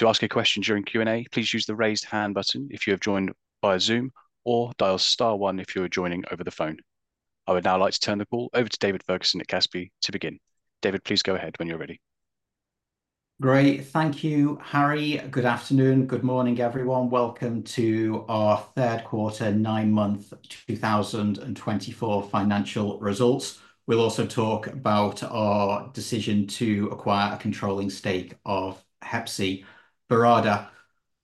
To ask a question during Q&A, please use the Raise Hand button if you have joined via Zoom, or dial star one if you are joining over the phone. I would now like to turn the call over to David Ferguson at Kaspi to begin. David, please go ahead when you're ready. Great. Thank you, Harry. Good afternoon, good morning, everyone. Welcome to our third quarter, 9-month 2024 financial results. We'll also talk about our decision to acquire a controlling stake of Hepsiburada.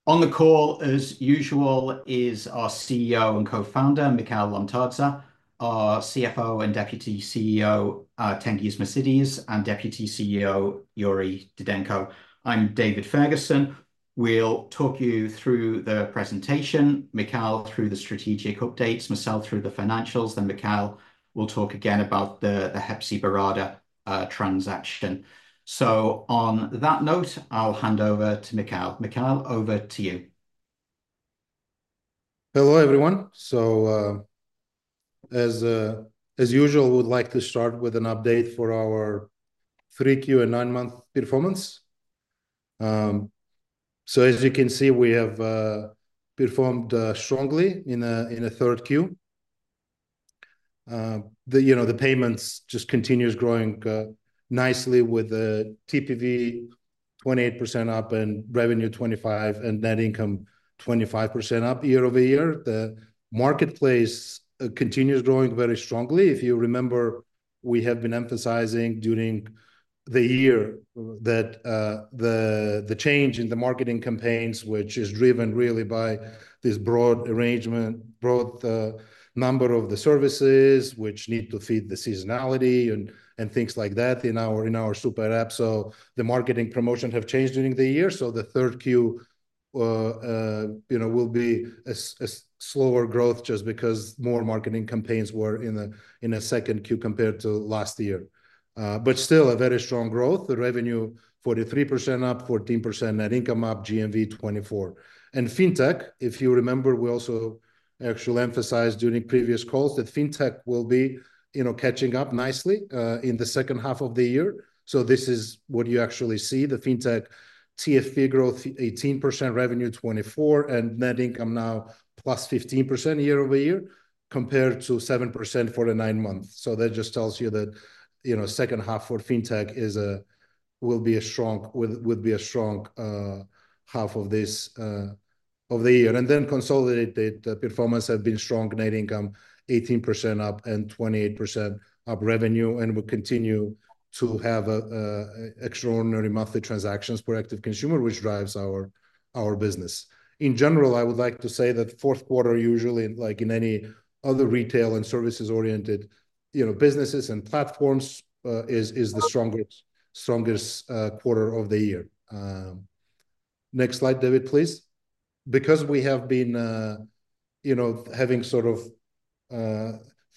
On the call, as usual, is our CEO and co-founder, Mikheil Lomtadze, our CFO and Deputy CEO, Tengiz Mosidze, and Deputy CEO, Yuriy Didenko. I'm David Ferguson. We'll talk you through the presentation, Mikheil through the strategic updates, myself through the financials, then Mikheil will talk again about the Hepsiburada transaction. So on that note, I'll hand over to Mikheil. Mikheil, over to you. Hello, everyone. As usual, we'd like to start with an update for our 3Q and nine-month performance. As you can see, we have performed strongly in a third Q. You know, the payments just continues growing nicely with the TPV 28% up and revenue 2025, and net income 25% up year-over-year. The marketplace continues growing very strongly. If you remember, we have been emphasizing during the year that the change in the marketing campaigns, which is driven really by this broad arrangement, broad number of the services which need to feed the seasonality and things like that in our super app. So the marketing promotion have changed during the year, so the third Q, you know, will be a slower growth just because more marketing campaigns were in a, in a second Q compared to last year. But still a very strong growth. The revenue, 43% up, 14% net income up, GMV 24%. And FinTech, if you remember, we also actually emphasized during previous calls that FinTech will be, you know, catching up nicely, in the second half of the year. So this is what you actually see, the FinTech TFV growth 18%, revenue 2024, and net income now +15% year-over-year, compared to 7% for the nine months. So that just tells you that, you know, second half for FinTech is a will be a strong half of this year. Consolidated performance has been strong. Net income 18% up and 28% up revenue, and will continue to have a extraordinary monthly transactions per active consumer, which drives our business. In general, I would like to say that fourth quarter usually, like in any other retail and services-oriented, you know, businesses and platforms, is the strongest quarter of the year. Next slide, David, please. Because we have been, you know, having sort of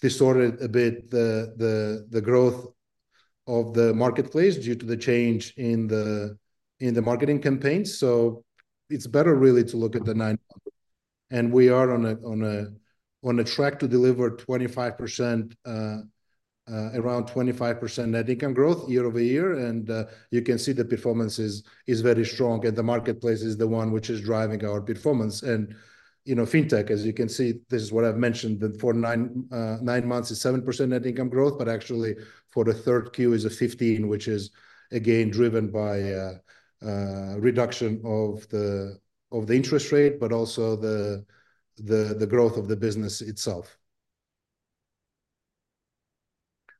distorted a bit the growth of the marketplace due to the change in the marketing campaigns, so it's better really to look at the nine. And we are on a track to deliver 25%, around 25% net income growth year over year. And you can see the performance is very strong, and the marketplace is the one which is driving our performance. And you know, FinTech, as you can see, this is what I've mentioned, that for nine months is 7% net income growth, but actually for the third Q is 15%, which is again driven by reduction of the interest rate, but also the growth of the business itself.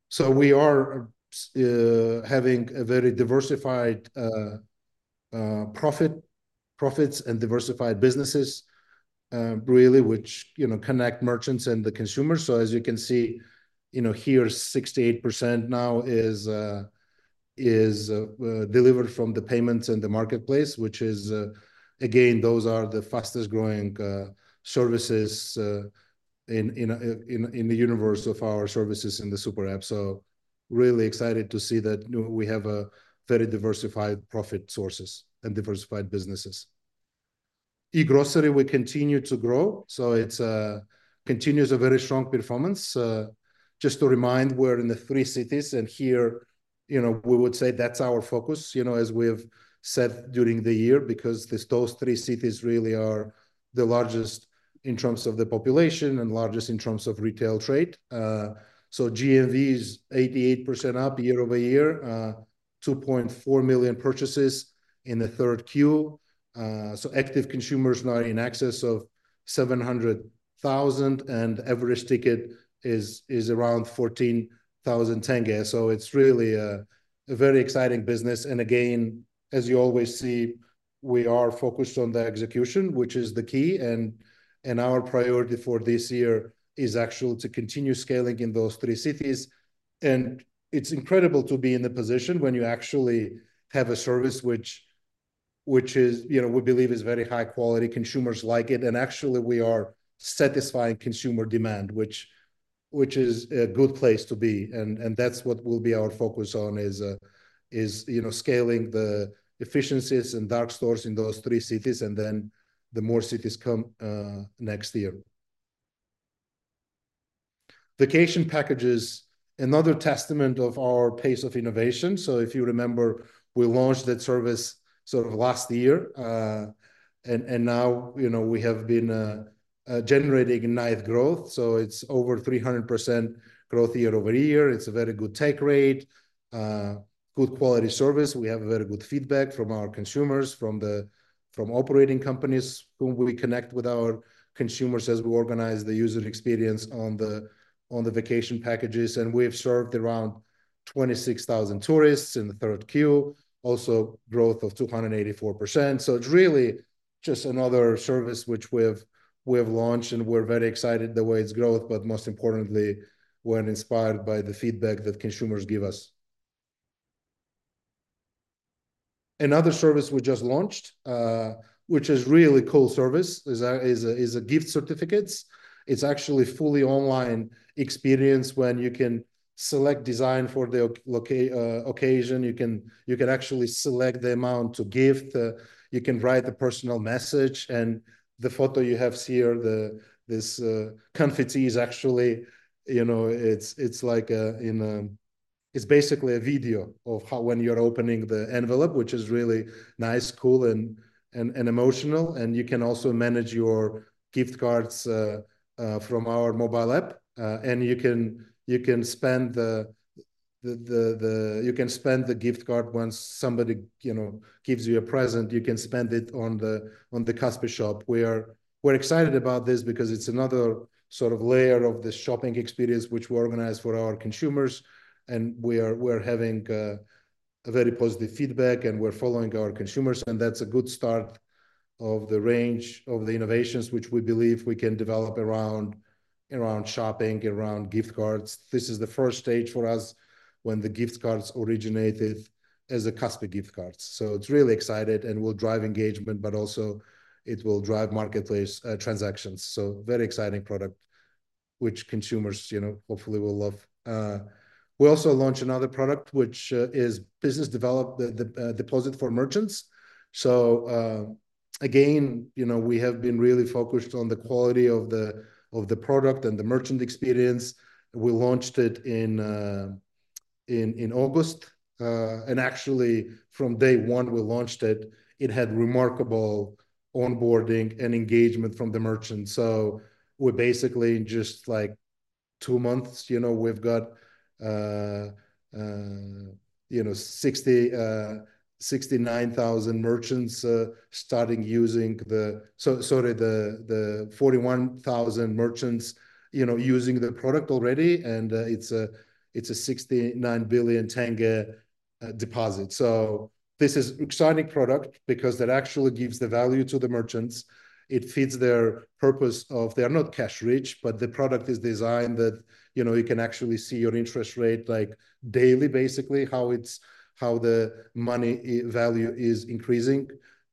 So we are having a very diversified profits and diversified businesses, really, which you know connect merchants and the consumers. So as you can see, you know, here, 68% now is delivered from the payments in the marketplace, which is. Again, those are the fastest growing services in the universe of our services in the Super App. So really excited to see that, you know, we have a very diversified profit sources and diversified businesses. e-Grocery, we continue to grow, so it continues a very strong performance. Just to remind, we're in the three cities, and here, you know, we would say that's our focus, you know, as we have said during the year. Because these, those three cities really are the largest in terms of the population and largest in terms of retail trade. So GMV is 88% up year-over-year. 2.4 million purchases in the third Q. So active consumers now in excess of 700,000, and average ticket is around KZT 14,000. So it's really a very exciting business, and again, as you always see, we are focused on the execution, which is the key, and our priority for this year is actually to continue scaling in those three cities. And it's incredible to be in the position when you actually have a service which is, you know, we believe is very high quality. Consumers like it, and actually, we are satisfying consumer demand, which is a good place to be, and that's what will be our focus on is, you know, scaling the efficiencies and dark stores in those three cities, and then the more cities come next year. Vacation Packages, another testament of our pace of innovation. So if you remember, we launched that service sort of last year, and now, you know, we have been generating nice growth. So it's over 300% growth year-over-year. It's a very good take rate, good quality service. We have a very good feedback from our consumers, from the operating companies, whom we connect with our consumers as we organize the user experience on the vacation packages. And we have served around 26,000 tourists in the third Q, also growth of 284%. So it's really just another service which we have launched, and we're very excited the way it's growth, but most importantly, we're inspired by the feedback that consumers give us. Another service we just launched, which is really cool service, is gift certificates. It's actually a fully online experience, when you can select a design for the occasion. You can actually select the amount to gift. You can write a personal message, and the photo you can see here, the confetti is actually, you know, it's like a- it's basically a video of how when you're opening the envelope, which is really nice, cool, and emotional. You can also manage your gift cards from our mobile app. And you can spend the gift card once somebody, you know, gives you a present. You can spend it on the Kaspi Shop. We're excited about this because it's another sort of layer of the shopping experience, which we organize for our consumers, and we're having a very positive feedback, and we're following our consumers, and that's a good start of the range of the innovations, which we believe we can develop around shopping, around gift cards. This is the first stage for us when the gift cards originated as Kaspi Gift Cards. So it's really excited and will drive engagement, but also it will drive marketplace transactions, so very exciting product, which consumers, you know, hopefully will love. We also launched another product, which is the Deposit for Merchants. So, again, you know, we have been really focused on the quality of the product and the merchant experience. We launched it in August. And actually, from day one we launched it, it had remarkable onboarding and engagement from the merchants. So we're basically in just, like, two months, you know, we've got 69,000 merchants starting using the. So, sorry, the 41,000 merchants, you know, using the product already, and it's a KZT 69 billion deposit. So this is exciting product because that actually gives the value to the merchants. It fits their purpose of they are not cash rich, but the product is designed that, you know, you can actually see your interest rate, like, daily, basically, how the money value is increasing.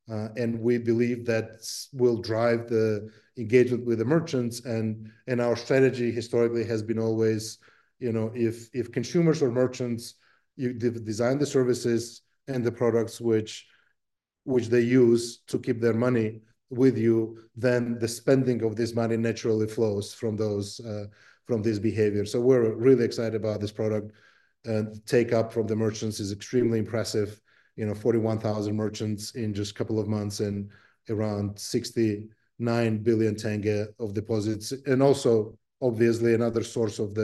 And we believe that will drive the engagement with the merchants. Our strategy historically has been always, you know, if consumers or merchants, you design the services and the products which they use to keep their money with you, then the spending of this money naturally flows from those, from this behavior. So we're really excited about this product, and take up from the merchants is extremely impressive. You know, 41,000 merchants in just a couple of months and around KZT 69 billion of deposits, and also, obviously, another source of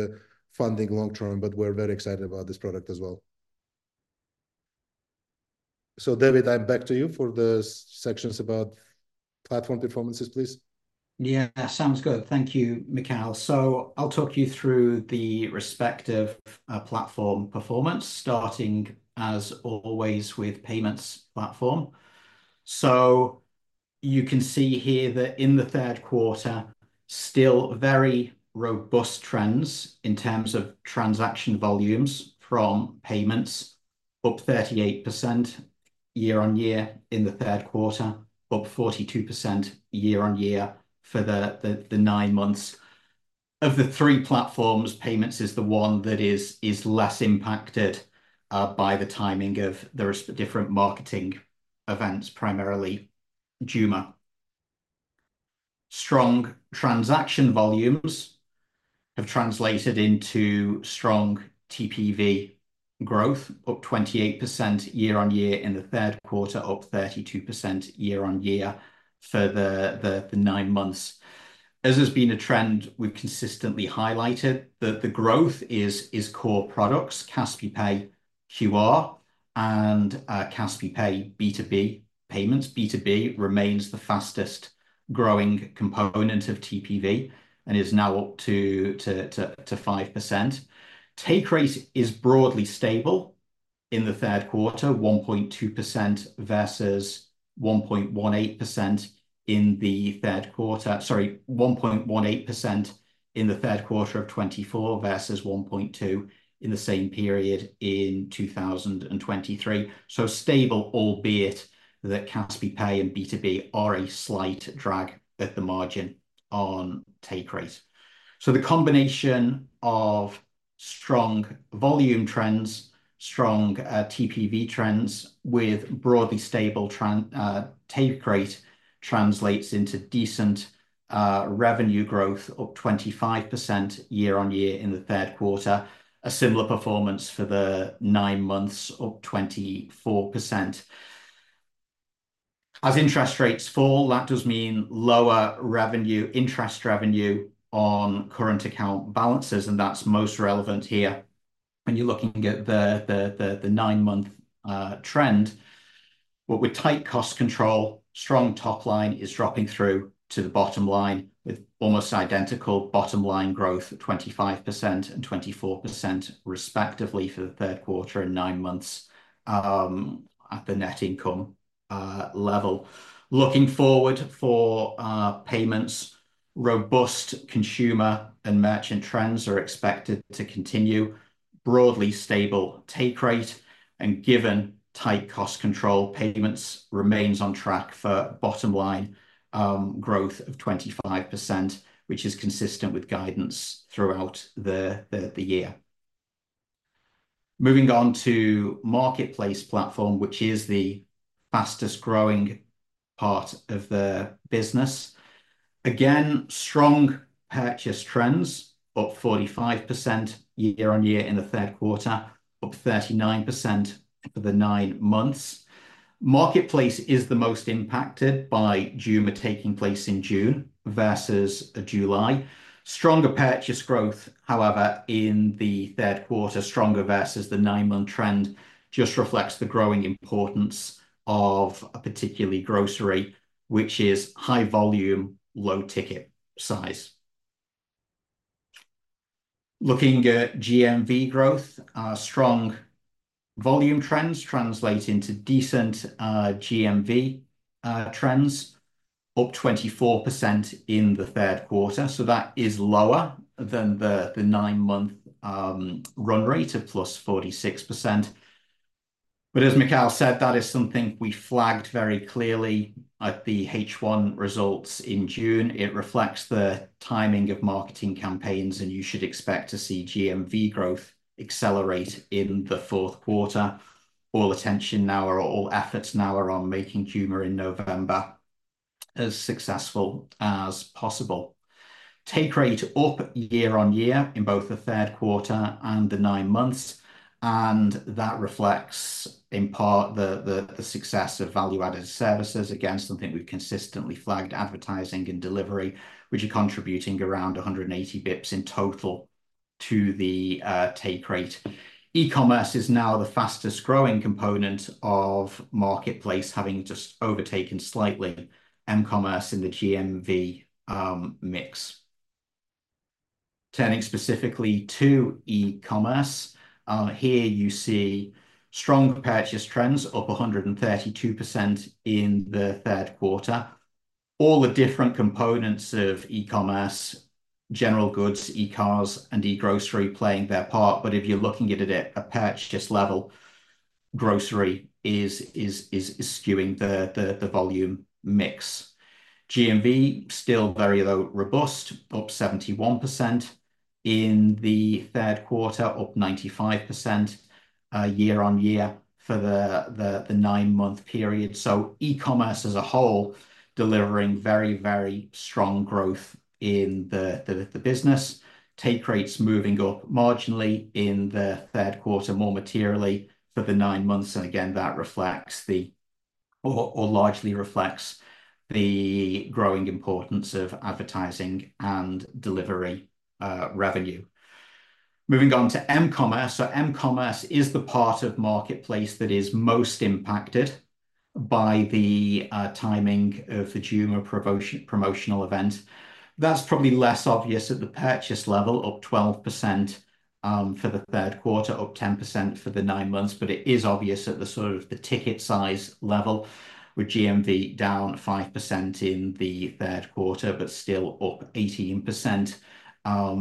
funding long term, but we're very excited about this product as well. David, I'm back to you for the sections about platform performances, please. Yeah, sounds good. Thank you, Mikhail. So I'll talk you through the respective platform performance, starting, as always, with payments platform. So you can see here that in the third quarter, still very robust trends in terms of transaction volumes from payments, up 38% year-on-year in the third quarter, up 42% year-on-year for the nine months. Of the three platforms, payments is the one that is less impacted by the timing of the different marketing events, primarily Zhuma. Strong transaction volumes have translated into strong TPV growth, up 28% year-on-year in the third quarter, up 32% year-on-year for the nine months. As has been a trend, we've consistently highlighted that the growth is core products, Kaspi Pay QR and Kaspi Pay B2B payments. B2B remains the fastest-growing component of TPV and is now up to 5%. Take rate is broadly stable in the third quarter, 1.2% versus 1.18% in the third quarter. Sorry, 1.18% in the third quarter of 2024, versus 1.2% in the same period in 2023. So stable, albeit that Kaspi Pay and B2B are a slight drag at the margin on take rate. So the combination of strong volume trends, strong TPV trends with broadly stable take rate translates into decent revenue growth, up 25% year-on-year in the third quarter. A similar performance for the nine months, up 24%. As interest rates fall, that does mean lower revenue, interest revenue on current account balances, and that's most relevant here when you're looking at the nine-month trend, but with tight cost control, strong top line is dropping through to the bottom line, with almost identical bottom line growth of 25% and 24% respectively for the third quarter and nine months at the net income level. Looking forward for payments, robust consumer and merchant trends are expected to continue. Broadly stable take rate, and given tight cost control, payments remains on track for bottom-line growth of 25%, which is consistent with the year. Moving on to marketplace platform, which is the fastest growing part of the business. Again, strong purchase trends, up 45% year-on-year in the third quarter, up 39% for the nine months. Marketplace is the most impacted by Zhuma taking place in June versus July. Stronger purchase growth, however, in the third quarter, stronger versus the nine-month trend, just reflects the growing importance of, particularly grocery, which is high volume, low ticket size. Looking at GMV growth, strong volume trends translate into decent, GMV, trends, up 24% in the third quarter, so that is lower than the nine-month run rate of +46%. But as Mikheil said, that is something we flagged very clearly at the H1 results in June. It reflects the timing of marketing campaigns, and you should expect to see GMV growth accelerate in the fourth quarter. All attention now or all efforts now are on making Zhuma in November as successful as possible. Take rate up year-on-year in both the third quarter and the nine months, and that reflects, in part, the success of value-added services. Again, something we've consistently flagged, advertising and delivery, which are contributing around 180 basis points in total to the take rate. E-commerce is now the fastest growing component of marketplace, having just overtaken slightly M-commerce in the GMV mix. Turning specifically to e-commerce, here you see strong purchase trends, up 132% in the third quarter. All the different components of e-commerce, general goods, e-Cars, and e-Grocery playing their part, but if you're looking at it at a purchase level, grocery is skewing the volume mix. GMV, still very, though, robust, up 71% in the third quarter, up 95% year-on-year for the nine-month period so E-commerce as a whole, delivering very, very strong growth in the business. Take rates moving up marginally in the third quarter, more materially for the nine months, and again, that largely reflects the growing importance of advertising and delivery revenue. Moving on to M-commerce. M-commerce is the part of marketplace that is most impacted by the timing of the Zhuma promotional event. That's probably less obvious at the purchase level, up 12% for the third quarter, up 10% for the nine months, but it is obvious at the sort of ticket size level, with GMV down 5% in the third quarter, but still up 18%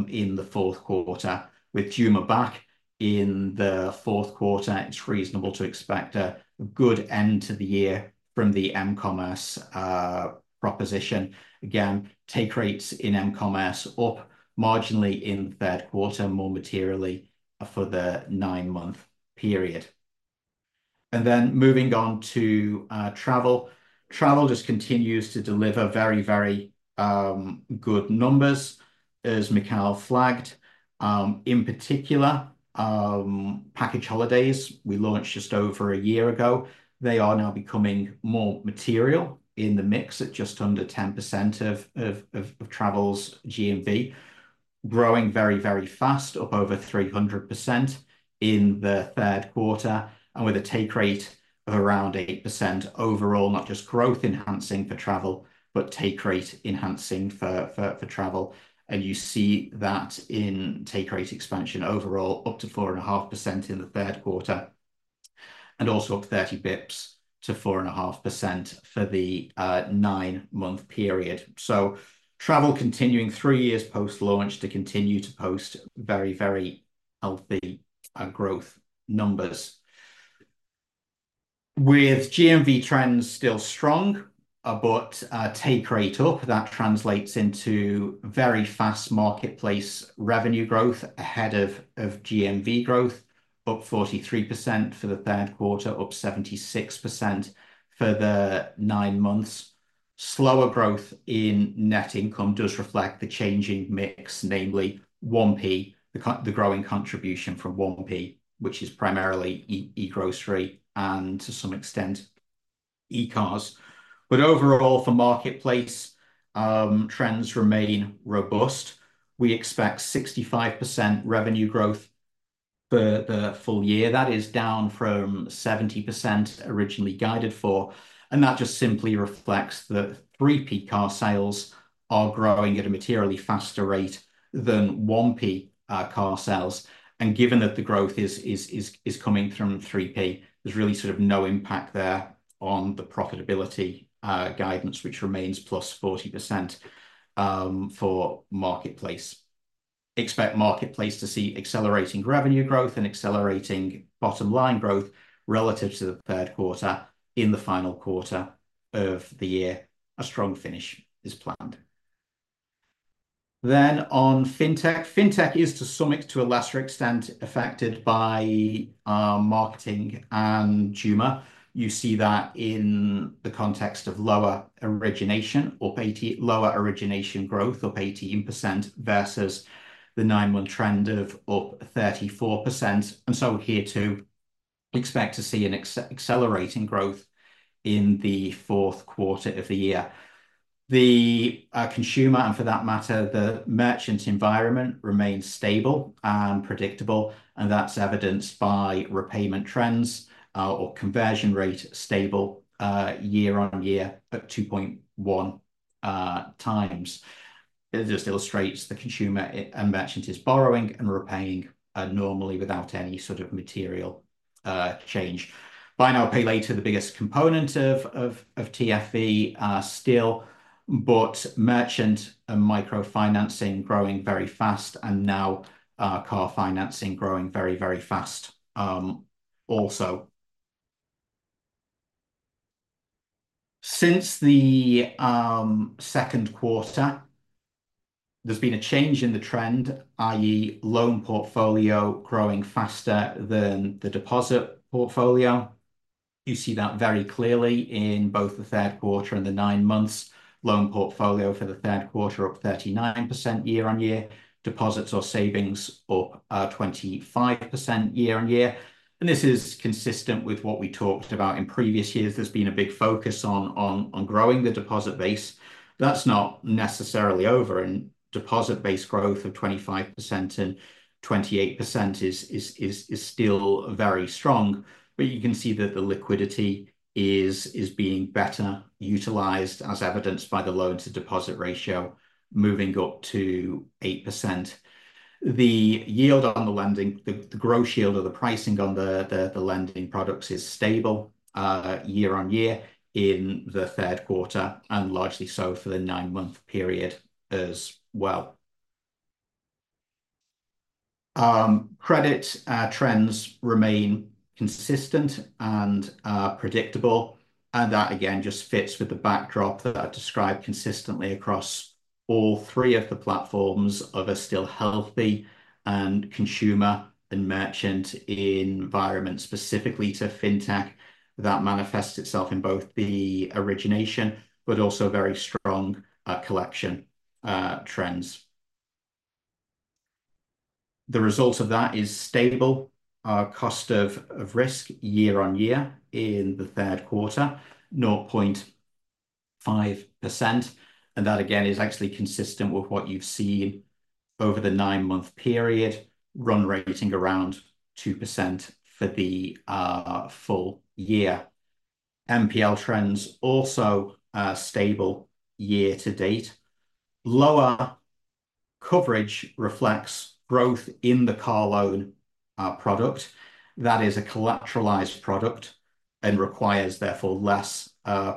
in the fourth quarter. With Zhuma back in the fourth quarter, it's reasonable to expect a good end to the year from the M-commerce proposition. Again, take rates in M-commerce up marginally in the third quarter, more materially for the nine-month period. And then moving on to travel. Travel just continues to deliver very, very good numbers, as Mikheil flagged. In particular, package holidays we launched just over a year ago, they are now becoming more material in the mix at just under 10% of travel's GMV. Growing very, very fast, up over 300% in the third quarter, and with a take rate of around 8% overall, not just growth enhancing for travel, but take rate enhancing for travel. And you see that in take rate expansion overall, up to 4.5% in the third quarter, and also up 30 basis points to 4.5% for the nine-month period. Travel continuing three years post-launch to continue to post very, very healthy growth numbers. With GMV trends still strong, but take rate up, that translates into very fast marketplace revenue growth ahead of GMV growth, up 43% for the third quarter, up 76% for the nine months. Slower growth in net income does reflect the changing mix, namely 1P, the growing contribution from 1P, which is primarily e-Grocery and to some extent e-Cars. But overall, for marketplace, trends remain robust. We expect 65% revenue growth for the full year. That is down from 70% originally guided for, and that just simply reflects that 3P car sales are growing at a materially faster rate than 1P car sales. And given that the growth is coming from 3P, there's really sort of no impact there on the profitability guidance, which remains +40% for marketplace. Expect marketplace to see accelerating revenue growth and accelerating bottom line growth relative to the third quarter in the final quarter of the year. A strong finish is planned. Then on FinTech. FinTech is to a lesser extent affected by marketing and Zhuma. You see that in the context of lower origination growth, up 18% versus the nine-month trend of up 34%. And so here, too, expect to see an accelerating growth in the fourth quarter of the year. The consumer, and for that matter, the merchant environment, remains stable and predictable, and that's evidenced by repayment trends or conversion rate stable year on year at 2.1x. It just illustrates the consumer and merchant is borrowing and repaying normally without any sort of material change. Buy now, pay later, the biggest component of TFV still, but merchant and microfinancing growing very fast, and now car financing growing very, very fast also. Since the second quarter, there's been a change in the trend, i.e., loan portfolio growing faster than the deposit portfolio. You see that very clearly in both the third quarter and the nine months. Loan portfolio for the third quarter up 39% year-on-year. Deposits or savings up 25% year-on-year. This is consistent with what we talked about in previous years. There's been a big focus on growing the deposit base. That's not necessarily over, and deposit base growth of 25% and 28% is still very strong, but you can see that the liquidity is being better utilized, as evidenced by the loan-to-deposit ratio moving up to 8%. The yield on the lending, the gross yield or the pricing on the lending products is stable, year-on-year in the third quarter, and largely so for the nine-month period as well. Credit trends remain consistent and predictable, and that again just fits with the backdrop that I've described consistently across all three of the platforms of a still healthy consumer and merchant environment. Specifically to FinTech, that manifests itself in both the origination but also very strong collection trends. The result of that is stable cost of risk year on year in the third quarter, 0.5%, and that, again, is actually consistent with what you've seen over the nine-month period, run rate around 2% for the full year. NPL trends also stable year to date. Lower coverage reflects growth in the car loan product. That is a collateralized product and requires, therefore, less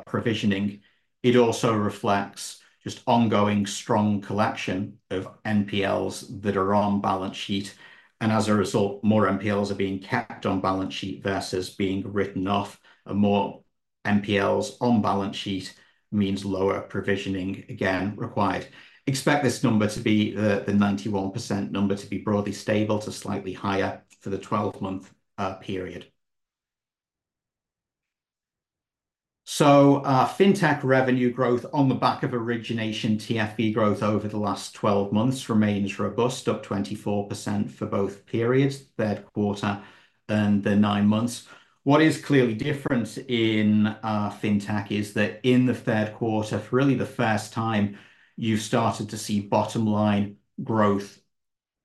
provisioning. It also reflects just ongoing strong collection of NPLs that are on balance sheet, and as a result, more NPLs are being kept on balance sheet versus being written off, and more NPLs on balance sheet means lower provisioning, again, required. Expect this number to be, the 91% number, to be broadly stable to slightly higher for the 12-month period. So, Fintech revenue growth on the back of origination TFV growth over the last twelve months remains robust, up 24% for both periods, third quarter and the nine months. What is clearly different in Fintech is that in the third quarter, for really the first time, you've started to see bottom line growth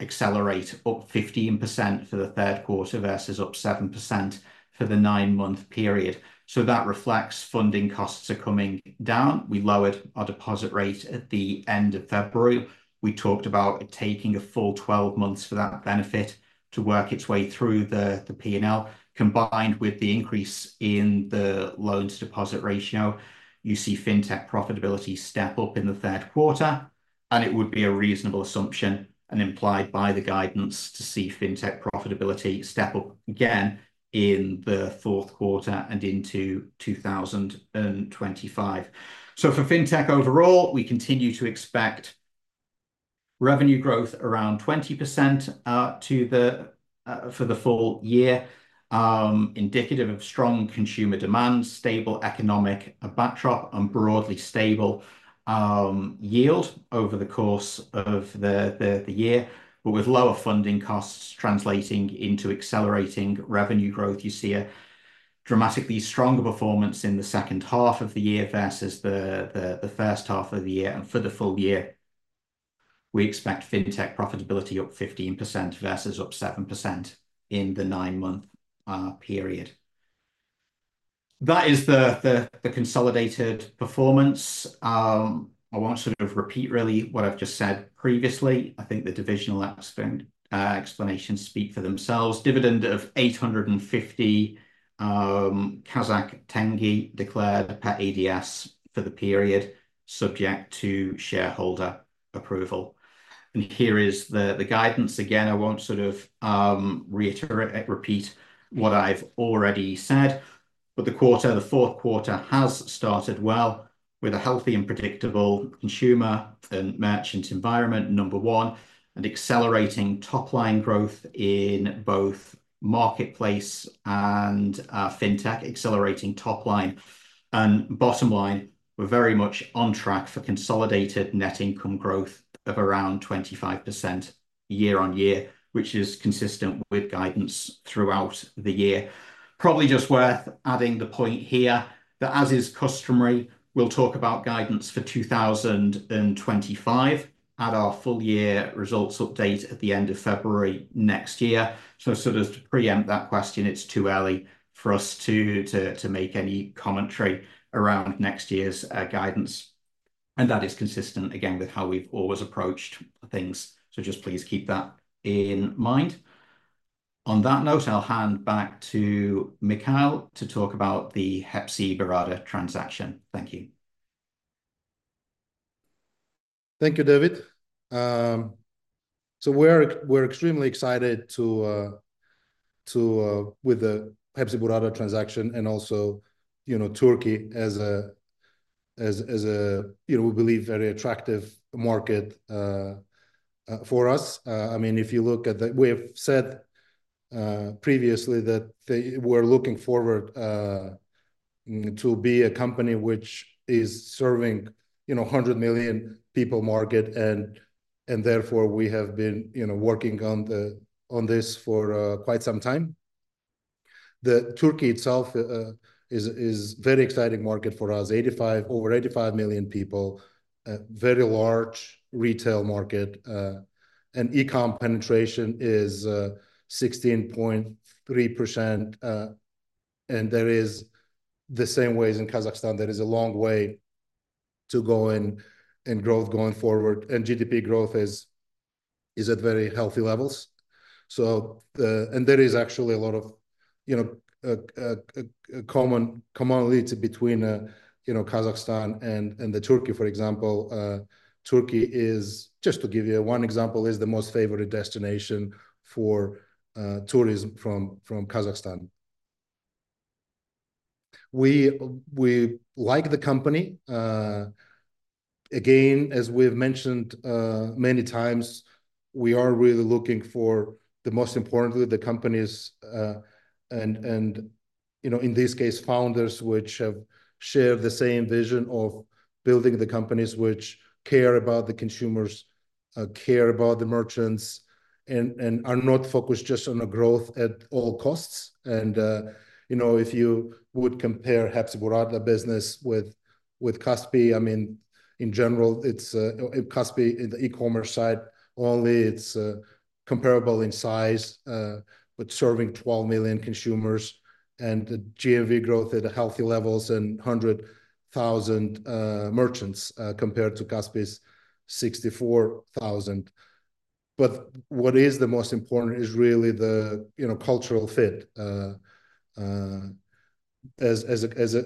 accelerate, up 15% for the third quarter versus up 7% for the nine-month period. So that reflects funding costs are coming down. We lowered our deposit rate at the end of February. We talked about it taking a full 12-months for that benefit to work its way through the P&L and combined with the increase in the loans-to-deposit ratio, you see Fintech profitability step up in the third quarter. And it would be a reasonable assumption, and implied by the guidance, to see FinTech profitability step up again in the fourth quarter and into 2025. So for FinTech overall, we continue to expect revenue growth around 20% for the full year indicative of strong consumer demand, stable economic backdrop, and broadly stable yield over the course of the year. But with lower funding costs translating into accelerating revenue growth, you see a dramatically stronger performance in the second half of the year versus the first half of the year and for the full year, we expect FinTech profitability up 15% versus up 7% in the nine-month period. That is the consolidated performance. I won't sort of repeat really what I've just said previously. I think the divisional explanations speak for themselves. Dividend of KZT 850 declared per ADS for the period, subject to shareholder approval. Here is the guidance, again, I won't sort of reiterate, repeat what I've already said, but the fourth quarter has started well, with a healthy and predictable consumer and merchant environment, number one, and accelerating top-line growth in both marketplace and FinTech. Accelerating top line and bottom line, we're very much on track for consolidated net income growth of around 25% year-on-year, which is consistent with guidance throughout the year. Probably just worth adding the point here that, as is customary, we'll talk about guidance for 2025 at our full year results update at the end of February next year. So sort of to preempt that question, it's too early for us to make any commentary around next year's guidance, and that is consistent, again, with how we've always approached things. So just please keep that in mind. On that note, I'll hand back to Mikheil to talk about the Hepsiburada transaction. Thank you. Thank you, David. So we're extremely excited with the Hepsiburada transaction and also, you know, Turkey as a you know we believe very attractive market for us. I mean, if you look at the... We have said previously that we're looking forward to be a company which is serving, you know, 100 million people market, and therefore, we have been, you know, working on this for quite some time. Turkey itself is very exciting market for us. Over 85 million people, a very large retail market, and e-com penetration is 16.3%. And there is the same way as in Kazakhstan, there is a long way to go in growth going forward, and GDP growth is at very healthy levels. There is actually a lot of, you know, commonalities between, you know, Kazakhstan and Turkey. For example, Turkey is, just to give you one example, the most favored destination for tourism from Kazakhstan. We like the company. Again, as we've mentioned many times, we are really looking for, most importantly, the companies and, you know, in this case, founders which have shared the same vision of building the companies which care about the consumers, care about the merchants, and are not focused just on the growth at all costs. You know, if you would compare Hepsiburada business with Kaspi, I mean, in general, it's Kaspi in the e-commerce side only, it's comparable in size, but serving 12 million consumers, and the GMV growth at a healthy levels, and 100,000 merchants, compared to Kaspi's 64,000, but what is the most important is really the, you know, cultural fit.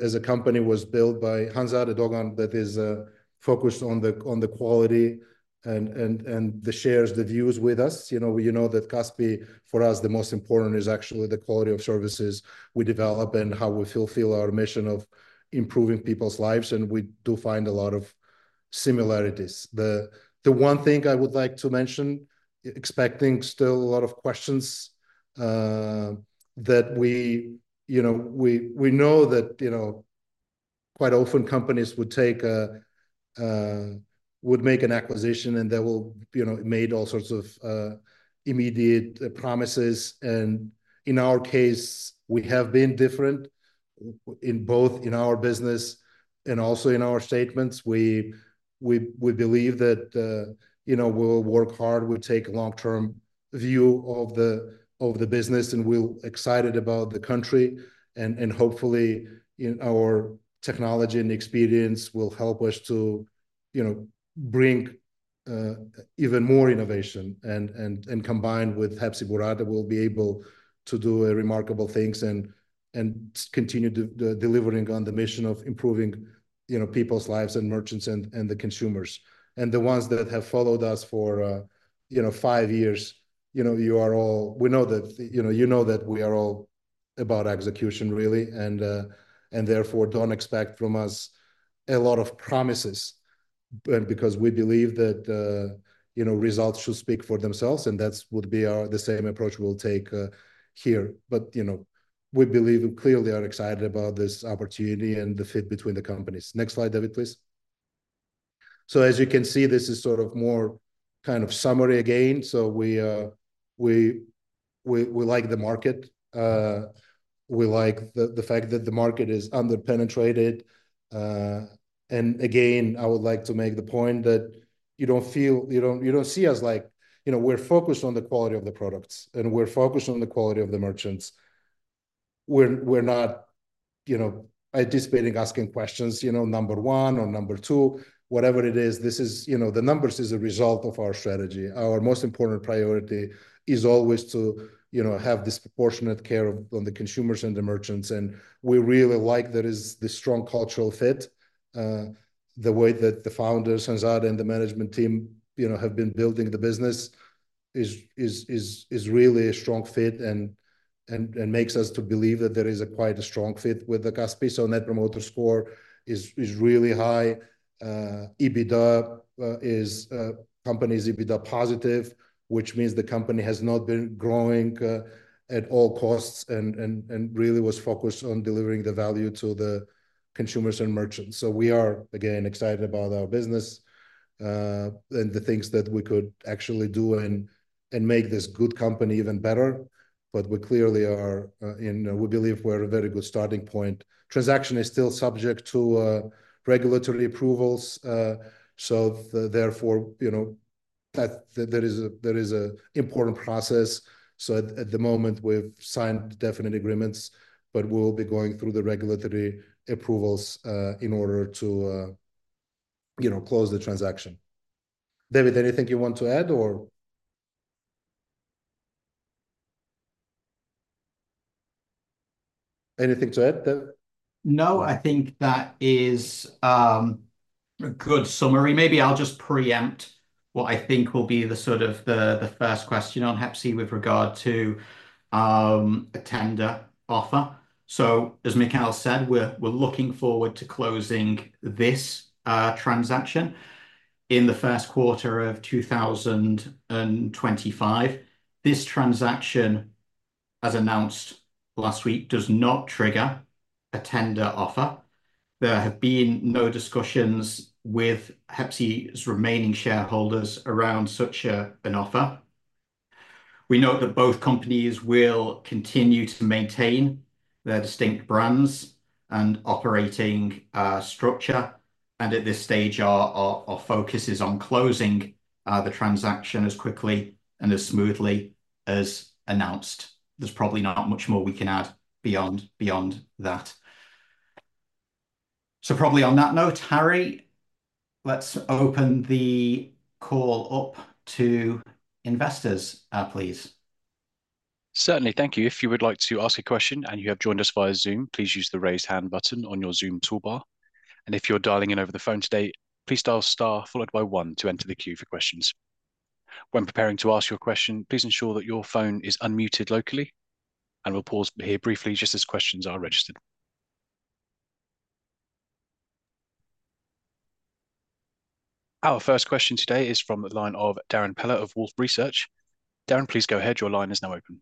As a company was built by Hanzade Doğan, that is focused on the quality and she shares the views with us. You know, we know that Kaspi, for us, the most important is actually the quality of services we develop and how we fulfill our mission of improving people's lives, and we do find a lot of similarities. The one thing I would like to mention, expecting still a lot of questions, that we, you know, we know that, you know, quite often companies would make an acquisition, and they will, you know, make all sorts of immediate promises. And in our case, we have been different in both in our business and also in our statements. We believe that, you know, we'll work hard. We'll take a long-term view of the business, and we're excited about the country and hopefully, you know, our technology and experience will help us to, you know, bring even more innovation, and combined with Hepsiburada, we'll be able to do remarkable things and continue delivering on the mission of improving, you know, people's lives, and merchants, and the consumers. And the ones that have followed us for, you know, five years, you know, you all know that, you know, you know that we are all about execution, really, and, and therefore don't expect from us a lot of promises. But because we believe that, you know, results should speak for themselves, and that would be our - the same approach we'll take, here. But, you know, we believe we clearly are excited about this opportunity and the fit between the companies. Next slide, David, please. So as you can see, this is sort of more kind of summary again. So we like the market. We like the fact that the market is under-penetrated. And again, I would like to make the point that you don't feel... You don't see us like, you know, we're focused on the quality of the products, and we're focused on the quality of the merchants. We're not, you know, anticipating asking questions, you know, number one or number two, whatever it is. This is... You know, the numbers is a result of our strategy. Our most important priority is always to, you know, have disproportionate care of- on the consumers and the merchants, and we really like there is this strong cultural fit. The way that the founder, Hanzade, and the management team, you know, have been building the business is really a strong fit, and makes us to believe that there is a quite a strong fit with the Kaspi. So Net Promoter Score is really high. EBITDA is company's EBITDA positive, which means the company has not been growing at all costs and really was focused on delivering the value to the consumers and merchants. So we are again excited about our business and the things that we could actually do and make this good company even better. But we clearly are we believe we're at a very good starting point. Transaction is still subject to regulatory approvals. So therefore you know that there is an important process. So at the moment we've signed definitive agreements, but we'll be going through the regulatory approvals in order to you know close the transaction. David, anything you want to add or...? Anything to add, David? No, I think that is a good summary. Maybe I'll just preempt what I think will be the sort of the first question on Hepsiburada with regard to a tender offer. So as Mikheil said, we're looking forward to closing this transaction in the first quarter of 2025. This transaction, as announced last week, does not trigger a tender offer. There have been no discussions with Hepsiburada's remaining shareholders around such an offer. We note that both companies will continue to maintain their distinct brands and operating structure, and at this stage, our focus is on closing the transaction as quickly and as smoothly as announced. There's probably not much more we can add beyond that. So probably on that note, Harry, let's open the call up to investors, please. Certainly. Thank you. If you would like to ask a question and you have joined us via Zoom, please use the Raise Hand button on your Zoom toolbar. And if you're dialing in over the phone today, please dial star followed by one to enter the queue for questions. When preparing to ask your question, please ensure that your phone is unmuted locally, and we'll pause here briefly just as questions are registered. Our first question today is from the line of Darrin Peller of Wolfe Research. Darrin, please go ahead. Your line is now open.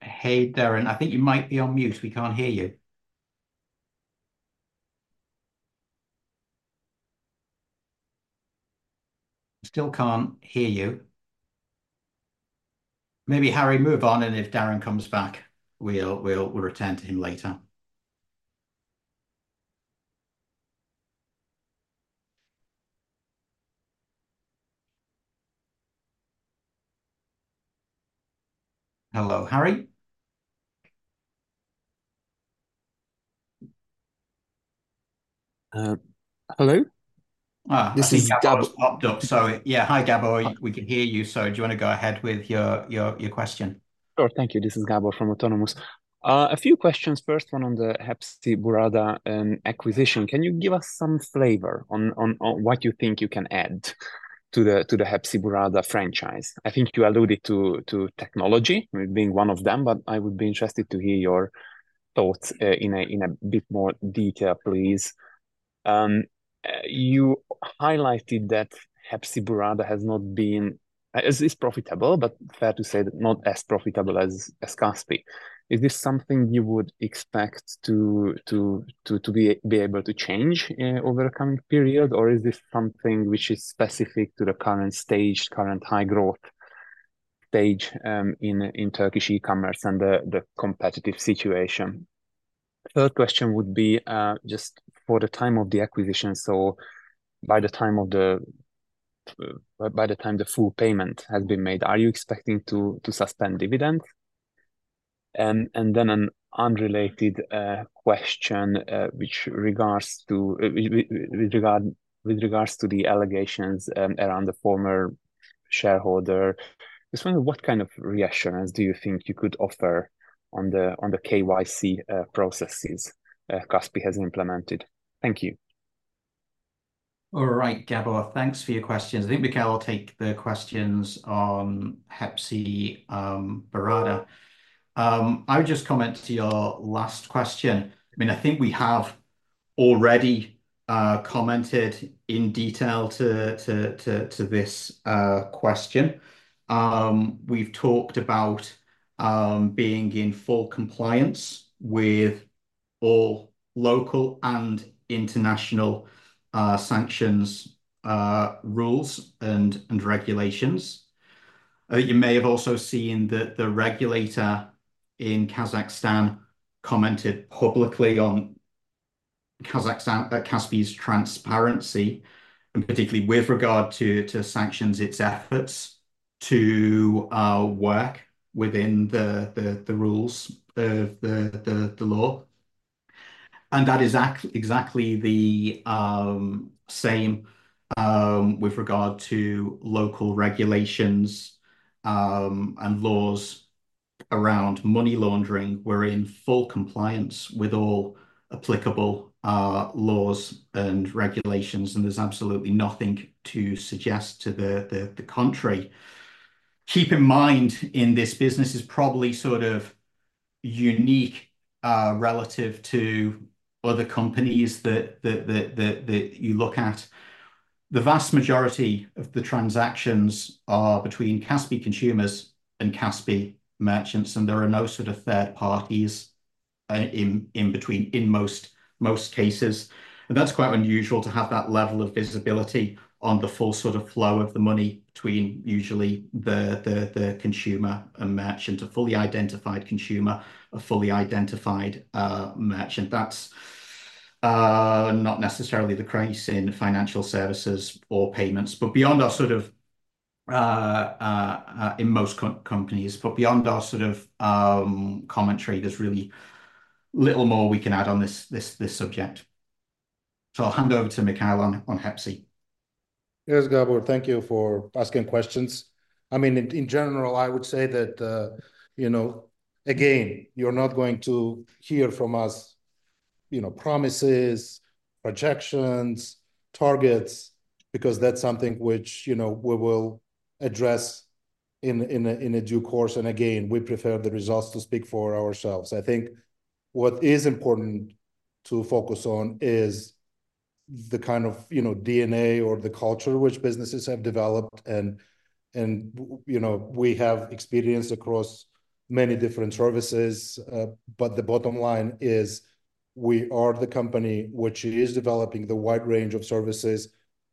Hey, Darrin, I think you might be on mute. We can't hear you. Still can't hear you. Maybe, Harry, move on, and if Darrin comes back, we'll return to him later. Hello, Harry? Hello? This is Gabor- I think Gabor has popped up. So, yeah, hi, Gabor. We can hear you, so do you wanna go ahead with your question? Sure. Thank you. This is Gabor from Autonomous. A few questions. First one on the Hepsiburada acquisition. Can you give us some flavor on what you think you can add to the Hepsiburada franchise? I think you alluded to technology being one of them, but I would be interested to hear your thoughts in a bit more detail, please. You highlighted that Hepsiburada has not been... is profitable, but fair to say that not as profitable as Kaspi. Is this something you would expect to be able to change over the coming period, or is this something which is specific to the current stage, current high growth stage in Turkish e-commerce and the competitive situation? Third question would be, just for the time of the acquisition, so by the time the full payment has been made, are you expecting to suspend dividends? And then an unrelated question with regards to the allegations around the former shareholder. Just wonder what kind of reassurances do you think you could offer on the KYC processes Kaspi has implemented? Thank you. All right, Gabor, thanks for your questions. I think Mikheil will take the questions on Hepsiburada. I would just comment to your last question. I mean, I think we have already commented in detail to this question. We've talked about being in full compliance with all local and international sanctions rules and regulations. You may have also seen that the regulator in Kazakhstan commented publicly on Kazakhstan Kaspi's transparency, and particularly with regard to sanctions, its efforts to work within the rules of the law. And that is exactly the same with regard to local regulations and laws around money laundering. We're in full compliance with all applicable laws and regulations, and there's absolutely nothing to suggest to the contrary. Keep in mind, in this business is probably sort of unique relative to other companies that you look at. The vast majority of the transactions are between Kaspi consumers and Kaspi merchants, and there are no sort of third parties in between in most cases, and that's quite unusual to have that level of visibility on the full sort of flow of the money between usually the consumer and merchant, a fully identified consumer, a fully identified merchant. That's not necessarily the case in financial services or payments, but beyond our sort of in most companies. But beyond our sort of commentary, there's really little more we can add on this subject. So I'll hand over to Mikheil on Hepsi. Yes, Gabor, thank you for asking questions. I mean, in general, I would say that, you know, again, you're not going to hear from us, you know, promises, projections, targets, because that's something which, you know, we will address in due course, and again, we prefer the results to speak for themselves. I think what is important to focus on is the kind of, you know, DNA or the culture which businesses have developed, and you know, we have experience across many different services. But the bottom line is, we are the company which is developing the wide range of services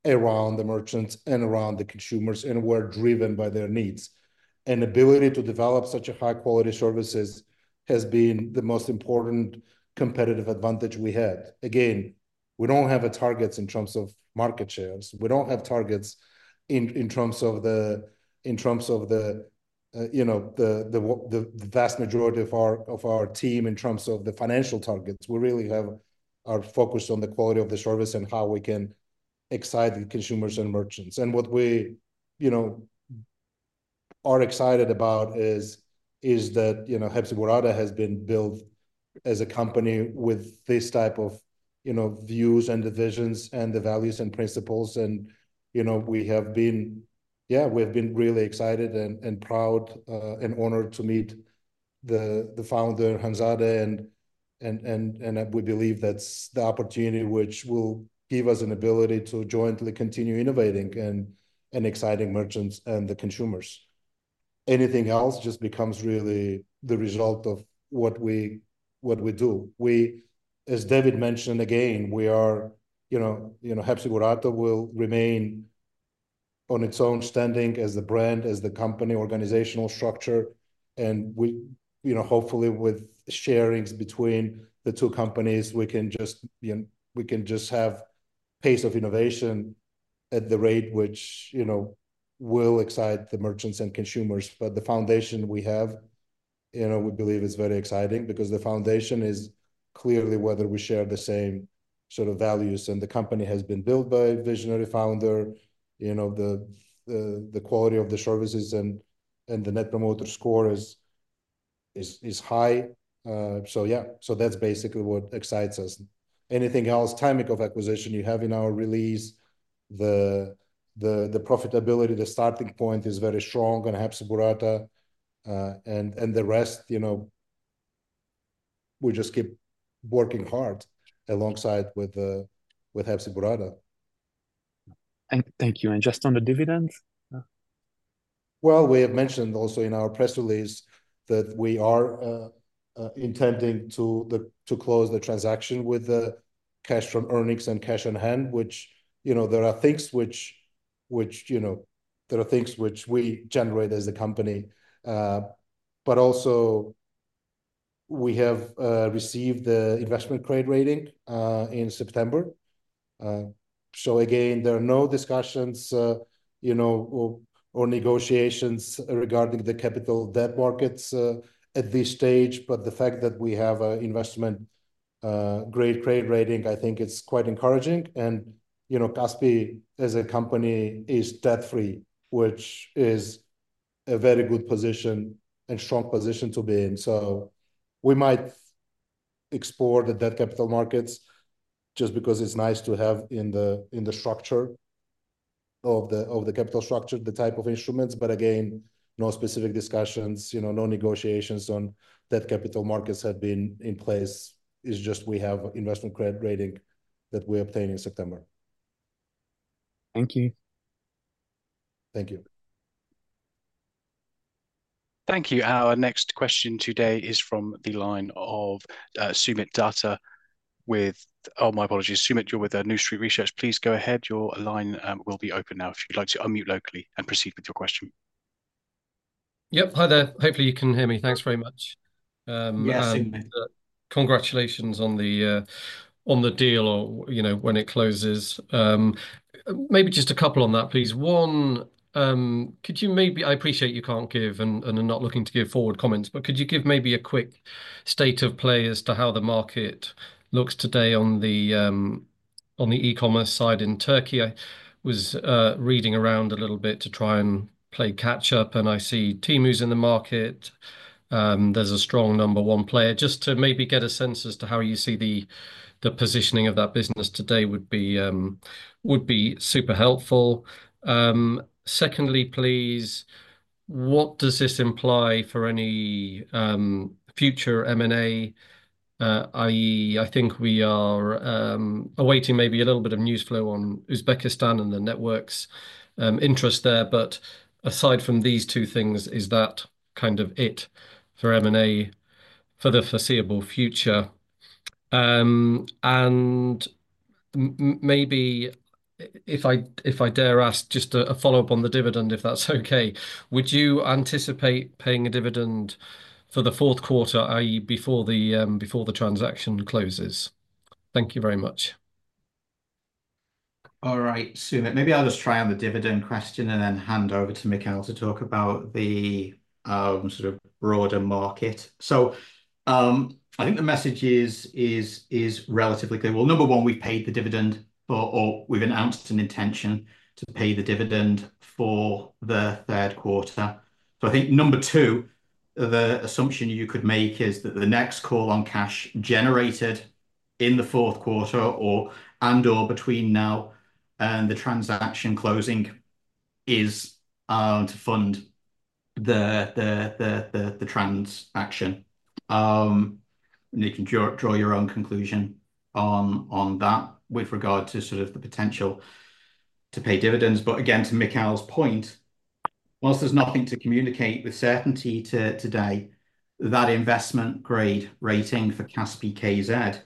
around the merchants and around the consumers, and we're driven by their needs. And ability to develop such a high quality services has been the most important competitive advantage we had. Again, we don't have targets in terms of market shares. We don't have targets in terms of the vast majority of our team in terms of the financial targets. We really have our focus on the quality of the service and how we can excite the consumers and merchants. And what we, you know, are excited about is that, you know, Hepsiburada has been built as a company with this type of, you know, views and visions, and the values and principles, and, you know, we have been really excited and proud and honored to meet the founder, Hanzade, and we believe that's the opportunity which will give us an ability to jointly continue innovating and exciting merchants and the consumers. Anything else just becomes really the result of what we do. We, as David mentioned, again, we are, you know, Hepsiburada will remain on its own standing as the brand, as the company organizational structure, and we, you know, hopefully with sharings between the two companies, we can just have pace of innovation at the rate which, you know, will excite the merchants and consumers. But the foundation we have, you know, we believe is very exciting because the foundation is clearly whether we share the same sort of values, and the company has been built by a visionary founder. You know, the quality of the services and the Net Promoter Score is high. So yeah, so that's basically what excites us. Anything else, timing of acquisition, you have in our release, the profitability, the starting point is very strong on Hepsiburada. And the rest, you know, we just keep working hard alongside with Hepsiburada. Thank you. And just on the dividends? We have mentioned also in our press release that we are intending to close the transaction with the cash from earnings and cash on hand, which, you know, there are things which we generate as a company. But also we have received the investment grade rating in September. So again, there are no discussions, you know, or negotiations regarding the capital debt markets at this stage. But the fact that we have an investment grade rating, I think it's quite encouraging. And, you know, Kaspi as a company is debt-free, which is a very good position and strong position to be in. So we might explore the debt capital markets just because it's nice to have in the, in the structure, of the, of the capital structure, the type of instruments. But again, no specific discussions, you know, no negotiations on debt capital markets have been in place. It's just we have investment grade rating that we obtained in September. Thank you. Thank you. Thank you. Our next question today is from the line of Soomit Datta with... Oh, my apologies, Soomit, you're with New Street Research. Please go ahead. Your line will be open now if you'd like to unmute locally and proceed with your question. Yep, hi there. Hopefully you can hear me. Thanks very much. Yes, Soomit. Congratulations on the deal, or, you know, when it closes. Maybe just a couple on that, please. One, could you maybe... I appreciate you can't give, and are not looking to give forward comments, but could you give maybe a quick state of play as to how the market looks today on the e-commerce side in Turkey? I was reading around a little bit to try and play catch-up, and I see Temu's in the market. There's a strong number one player. Just to maybe get a sense as to how you see the positioning of that business today would be super helpful. Secondly, please, what does this imply for any future M&A? i.e., I think we are awaiting maybe a little bit of news flow on Uzbekistan and the network's interest there. But aside from these two things, is that kind of it for M&A for the foreseeable future? And maybe if I dare ask, just a follow-up on the dividend, if that's okay. Would you anticipate paying a dividend for the fourth quarter, i.e., before the transaction closes? Thank you very much. All right, Soomit, maybe I'll just try on the dividend question and then hand over to Mikheil to talk about the sort of broader market. I think the message is relatively clear. Number one, we've paid the dividend or we've announced an intention to pay the dividend for the third quarter. Number two, the assumption you could make is that the next call on cash generated in the fourth quarter or and/or between now and the transaction closing is to fund the transaction. You can draw your own conclusion on that with regard to sort of the potential to pay dividends. But again, to Mikhail's point, while there's nothing to communicate with certainty today, that investment grade rating for Kaspi.kz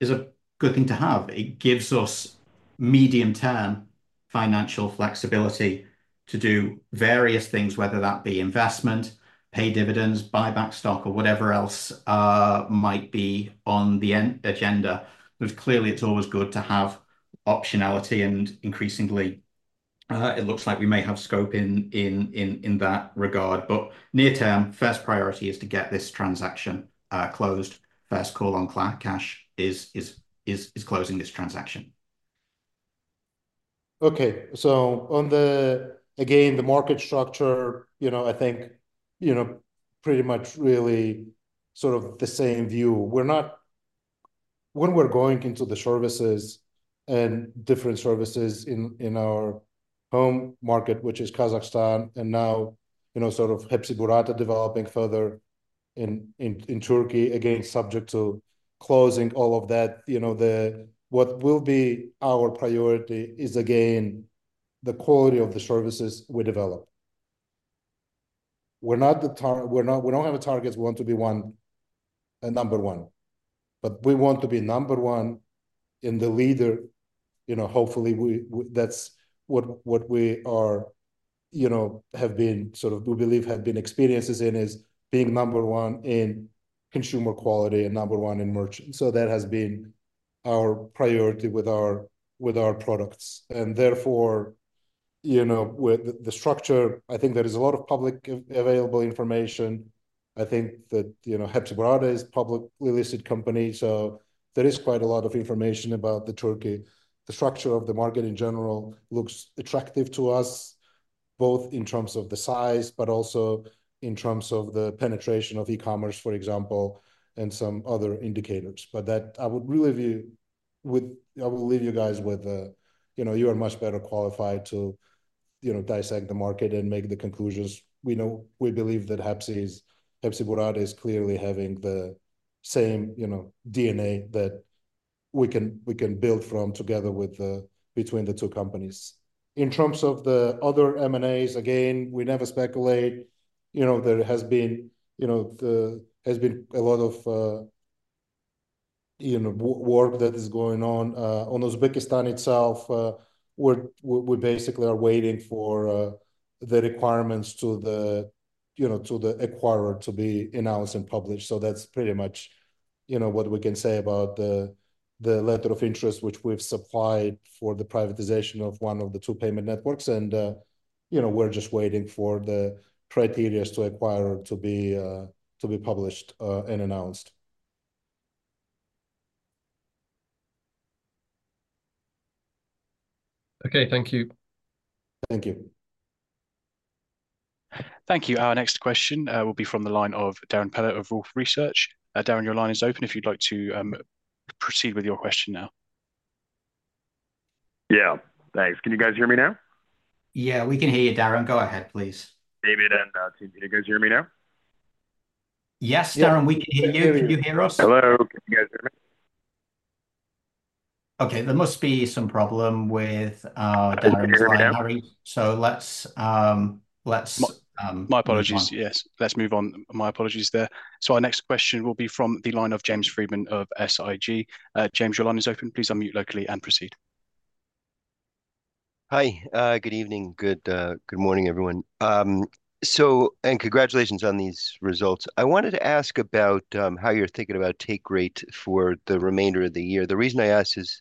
is a good thing to have. It gives us medium-term financial flexibility to do various things, whether that be investment, pay dividends, buy back stock, or whatever else might be on the agenda. But clearly, it's always good to have optionality, and increasingly it looks like we may have scope in that regard. But near term, first priority is to get this transaction closed. First call on cash is closing this transaction. Okay, so on the, again, the market structure, you know, I think, you know, pretty much really sort of the same view. When we're going into the services and different services in our home market, which is Kazakhstan, and now, you know, sort of Hepsiburada developing further in Turkey, again, subject to closing all of that, you know, what will be our priority is, again, the quality of the services we develop. We're not, we don't have a target. We want to be one, number one, but we want to be number one and the leader. You know, hopefully, we, that's what we are, you know, have been sort of, we believe, have been experienced in, is being number one in consumer quality and number one in merchant. So that has been our priority with our products, and therefore, you know, with the structure, I think there is a lot of public available information. I think that, you know, Hepsiburada is a publicly listed company, so there is quite a lot of information about Turkey. The structure of the market in general looks attractive to us, both in terms of the size, but also in terms of the penetration of e-commerce, for example, and some other indicators. But that, I would really leave you with, I will leave you guys with, you know, you are much better qualified to, you know, dissect the market and make the conclusions. We know, we believe that Hepsi is, Hepsiburada is clearly having the same, you know, DNA that we can, we can build from together with the, between the two companies. In terms of the other M&As, again, we never speculate. You know, there has been a lot of work that is going on. On Uzbekistan itself, we're basically waiting for the requirements to the acquirer to be announced and published. So that's pretty much what we can say about the letter of interest, which we've supplied for the privatization of one of the two payment networks. You know, we're just waiting for the criteria to acquirer to be published and announced. Okay. Thank you. Thank you. Thank you. Our next question will be from the line of Darrin Peller of Wolfe Research. Darrin, your line is open if you'd like to proceed with your question now. Yeah. Thanks. Can you guys hear me now? Yeah, we can hear you, Darrin. Go ahead, please. David and, can you guys hear me now? Yes, Darrin, we can hear you. Yeah, we can. Can you hear us? Hello, can you guys hear me? Okay, there must be some problem with Darrin's line. Can you hear me now? Sorry. So let's move on. My apologies. Yes, let's move on. My apologies there. So our next question will be from the line of James Friedman of SIG. James, your line is open. Please unmute locally and proceed. Hi, good evening. Good morning, everyone. Congratulations on these results. I wanted to ask about how you're thinking about take rate for the remainder of the year. The reason I ask is,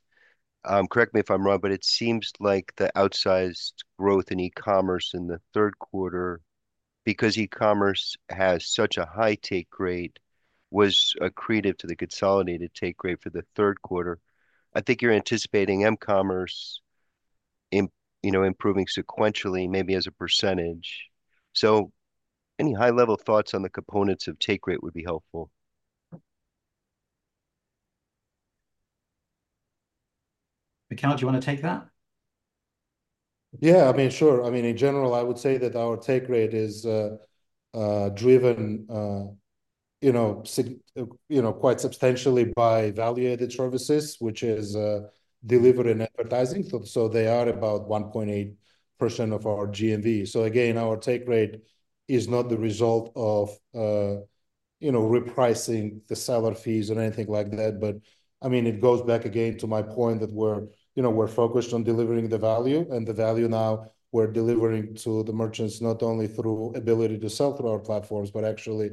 correct me if I'm wrong, but it seems like the outsized growth in e-commerce in the third quarter, because e-commerce has such a high take rate, was accretive to the consolidated take rate for the third quarter. I think you're anticipating m-commerce, you know, improving sequentially, maybe as a percentage. Any high-level thoughts on the components of take rate would be helpful. Mikheil, do you want to take that? Yeah, I mean, sure. I mean, in general, I would say that our take rate is driven, you know, quite substantially by value-added services, which is delivery and advertising. So they are about 1.8% of our GMV. So again, our take rate is not the result of, you know, repricing the seller fees or anything like that. But I mean, it goes back again to my point that we're, you know, focused on delivering the value. And the value now we're delivering to the merchants, not only through ability to sell through our platforms, but actually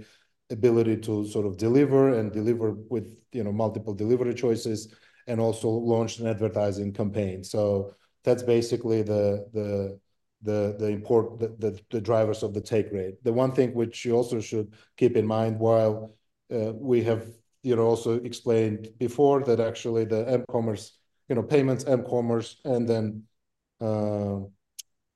ability to sort of deliver and deliver with, you know, multiple delivery choices, and also launch an advertising campaign. So that's basically the drivers of the take rate. The one thing which you also should keep in mind, while we have, you know, also explained before, that actually the m-commerce. You know, payments, m-commerce, and then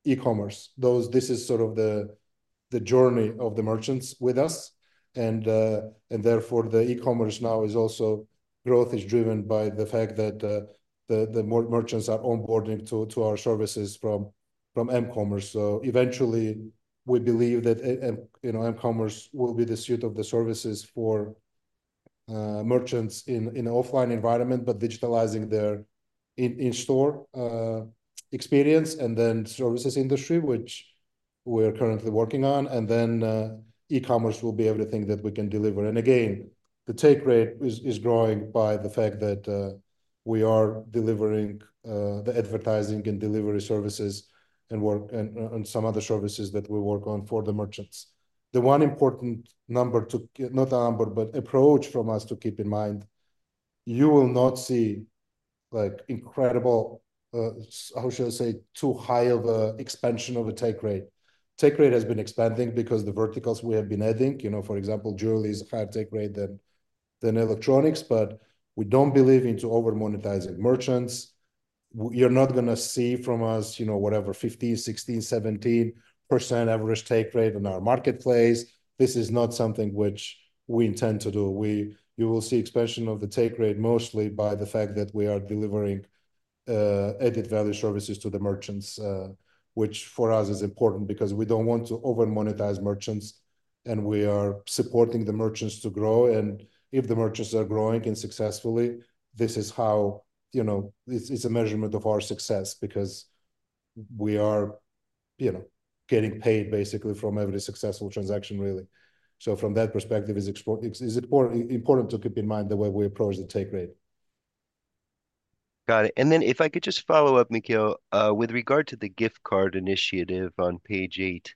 e-commerce, those, this is sort of the journey of the merchants with us. And, and therefore, the e-commerce now is also, growth is driven by the fact that the merchants are onboarding to our services from m-commerce. So eventually, we believe that a, you know, m-commerce will be the suite of the services for merchants in an offline environment, but digitalizing their in-store experience, and then services industry, which we're currently working on. And then e-commerce will be everything that we can deliver. Again, the take rate is growing by the fact that we are delivering the advertising and delivery services and work, and some other services that we work on for the merchants. The one important number to get, not a number, but approach from us to keep in mind. You will not see, like, incredible, how should I say? Too high of a expansion of a take rate. Take rate has been expanding because the verticals we have been adding, you know, for example, jewelry is a higher take rate than electronics, but we don't believe in to over-monetizing merchants. You're not going to see from us, you know, whatever, 15%, 16%, 17% average take rate on our marketplace. This is not something which we intend to do. You will see expansion of the take rate mostly by the fact that we are delivering added value services to the merchants, which for us is important because we don't want to over-monetize merchants, and we are supporting the merchants to grow. And if the merchants are growing and successfully, this is how, you know. It's a measurement of our success because we are, you know, getting paid basically from every successful transaction, really. So from that perspective, it's important to keep in mind the way we approach the take rate. Got it. And then if I could just follow up, Mikheil. With regard to the gift card initiative on page eight,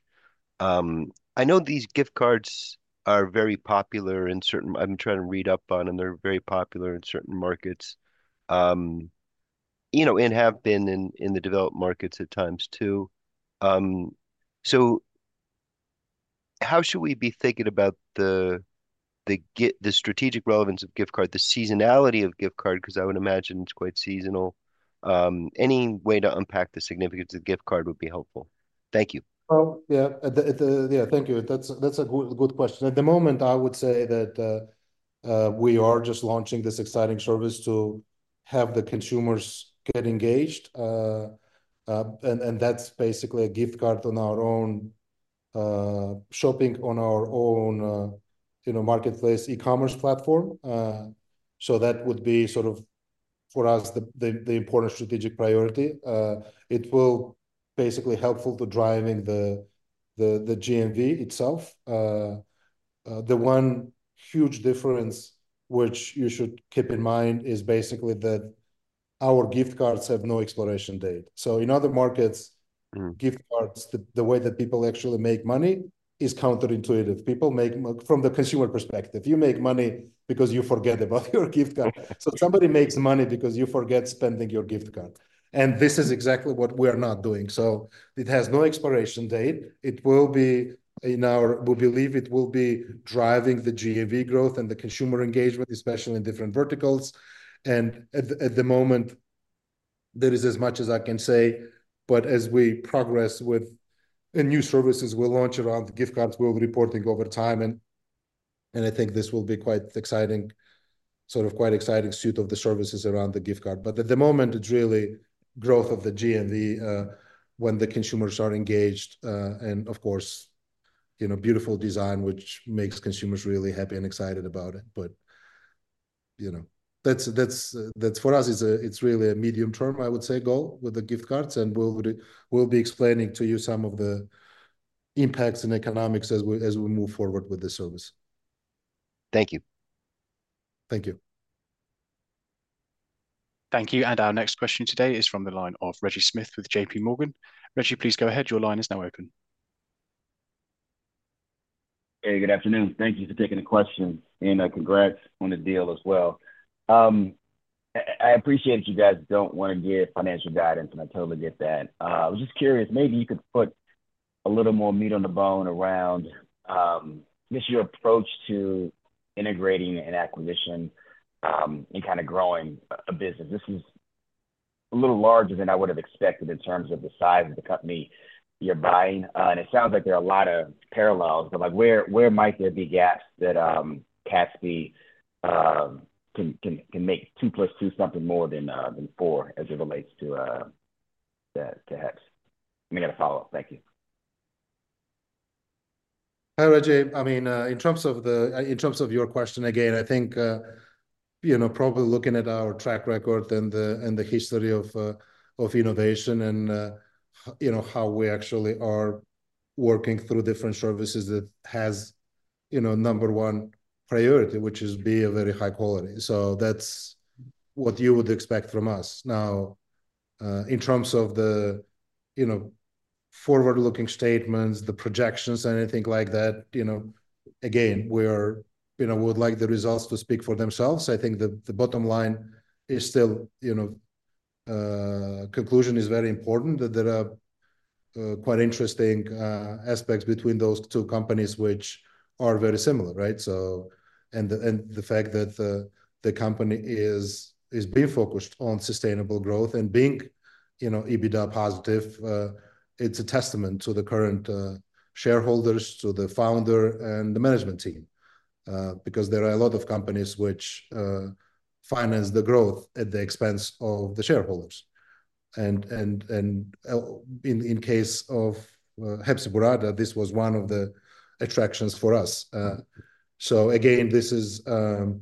I know these gift cards are very popular in certain... I'm trying to read up on, and they're very popular in certain markets, you know, and have been in, in the developed markets at times, too. So how should we be thinking about the strategic relevance of gift card, the seasonality of gift card? Because I would imagine it's quite seasonal. Any way to unpack the significance of gift card would be helpful. Thank you. Yeah, thank you. That's a good question. At the moment, I would say that we are just launching this exciting service to have the consumers get engaged. And that's basically a gift card on our own shopping on our own, you know, marketplace e-commerce platform. So that would be sort of for us the important strategic priority. It will basically helpful to driving the GMV itself. The one huge difference which you should keep in mind is basically that our gift cards have no expiration date. So in other markets gift cards, the way that people actually make money is counterintuitive. People make money from the consumer perspective, you make money because you forget about your gift card. So somebody makes money because you forget spending your gift card, and this is exactly what we are not doing. So it has no expiration date. It will be in our. We believe it will be driving the GMV growth and the consumer engagement, especially in different verticals. And at the moment, that is as much as I can say. But as we progress with the new services we'll launch around the gift cards, we'll be reporting over time, and I think this will be quite exciting, sort of quite exciting suite of the services around the gift card. But at the moment, it's really growth of the GMV when the consumers are engaged, and of course, you know, beautiful design, which makes consumers really happy and excited about it. But, you know, that's for us, it's really a medium-term, I would say, goal with the gift cards, and we'll be explaining to you some of the impacts in economics as we move forward with the service. Thank you. Thank you. Thank you, and our next question today is from the line of Reggie Smith with JPMorgan. Reggie, please go ahead. Your line is now open. Hey, good afternoon. Thank you for taking the questions, and congrats on the deal as well. I appreciate you guys don't wanna give financial guidance, and I totally get that. I was just curious, maybe you could put a little more meat on the bone around just your approach to integrating an acquisition, and kind of growing a business. This is a little larger than I would've expected in terms of the size of the company you're buying. And it sounds like there are a lot of parallels, but like, where might there be gaps that Kaspi can make 2+2 something more than 4, as it relates to that debt? Let me get a follow-up. Thank you. Hi, Reggie. I mean, in terms of your question, again, I think, you know, probably looking at our track record and the history of innovation and, you know, how we actually are working through different services that has, you know, number one priority, which is be of very high quality. So that's what you would expect from us. Now, in terms of the, you know, forward-looking statements, the projections, anything like that, you know, again, you know, we would like the results to speak for themselves. I think the bottom line is still, you know, conclusion is very important, that there are quite interesting aspects between those two companies, which are very similar, right? The fact that the company is being focused on sustainable growth and being, you know, EBITDA positive. It's a testament to the current shareholders, to the founder and the management team. Because there are a lot of companies which finance the growth at the expense of the shareholders. In case of Hepsiburada, this was one of the attractions for us. Again, this is a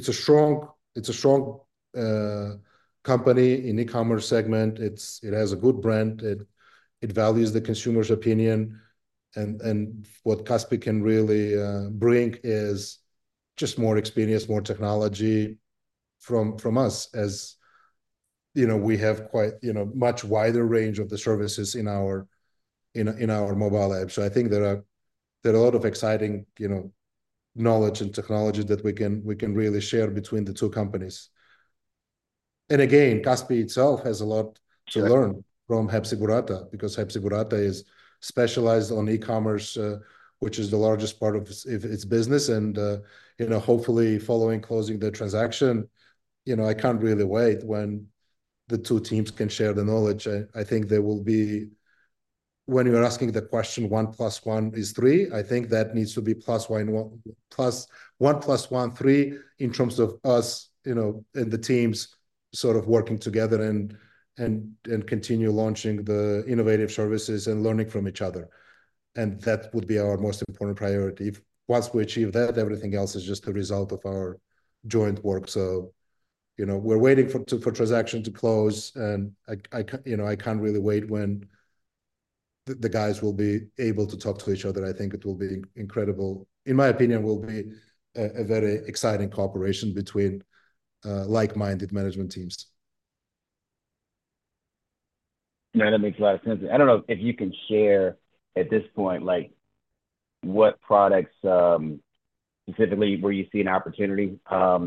strong company in e-commerce segment. It has a good brand. It values the consumer's opinion, and what Kaspi can really bring is just more experience, more technology from us. As you know, we have quite, you know, much wider range of the services in our mobile app. So I think there are a lot of exciting, you know, knowledge and technology that we can really share between the two companies. And again, Kaspi itself has a lot to learn from Hepsiburada, because Hepsiburada is specialized on e-commerce, which is the largest part of its business. And, you know, hopefully, following closing the transaction, you know, I can't really wait when the two teams can share the knowledge. I think there will be, when you are asking the question, 1+1 is 3, I think that needs to be +1... and 1+1+1 is 3, in terms of us, you know, and the teams sort of working together and continue launching the innovative services and learning from each other, and that would be our most important priority. Once we achieve that, everything else is just a result of our joint work. So, you know, we're waiting for the transaction to close, and you know, I can't really wait when the guys will be able to talk to each other. I think it will be incredible. In my opinion, it will be a very exciting cooperation between like-minded management teams. Yeah, that makes a lot of sense. I don't know if you can share at this point, like, what products specifically where you see an opportunity. I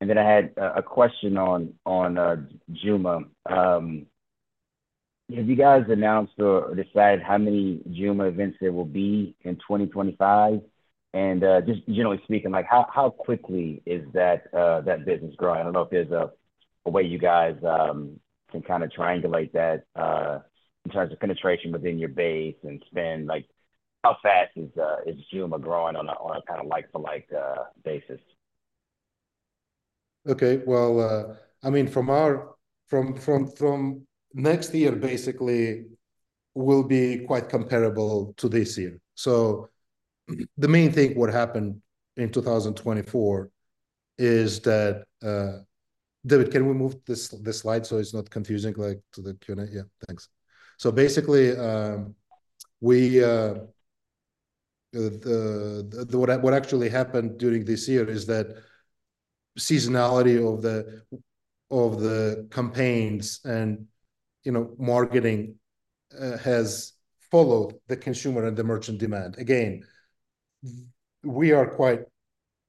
had a question on Zhuma. Have you guys announced or decided how many Zhuma events there will be in 2025? Just generally speaking, like, how quickly is that business growing? I don't know if there's a way you guys can kind of triangulate that in terms of penetration within your base and spend. Like, how fast is Zhuma growing on a kind of like-to-like basis? Okay. Well, I mean, from our from next year, basically, will be quite comparable to this year. So the main thing, what happened in 2024 is that, David, can we move this slide so it's not confusing, like, to the Q&A? Yeah, thanks. So basically, we, the what actually happened during this year is that seasonality of the campaigns and, you know, marketing has followed the consumer and the merchant demand. Again, we are quite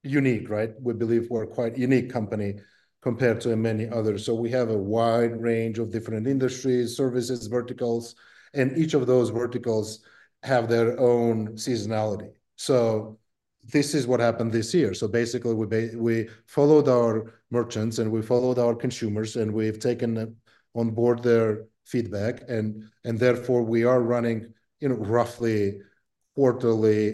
unique, right? We believe we're a quite unique company compared to many others. So we have a wide range of different industries, services, verticals, and each of those verticals have their own seasonality. So this is what happened this year. So basically, we followed our merchants, and we followed our consumers, and we've taken on board their feedback and therefore we are running you know roughly quarterly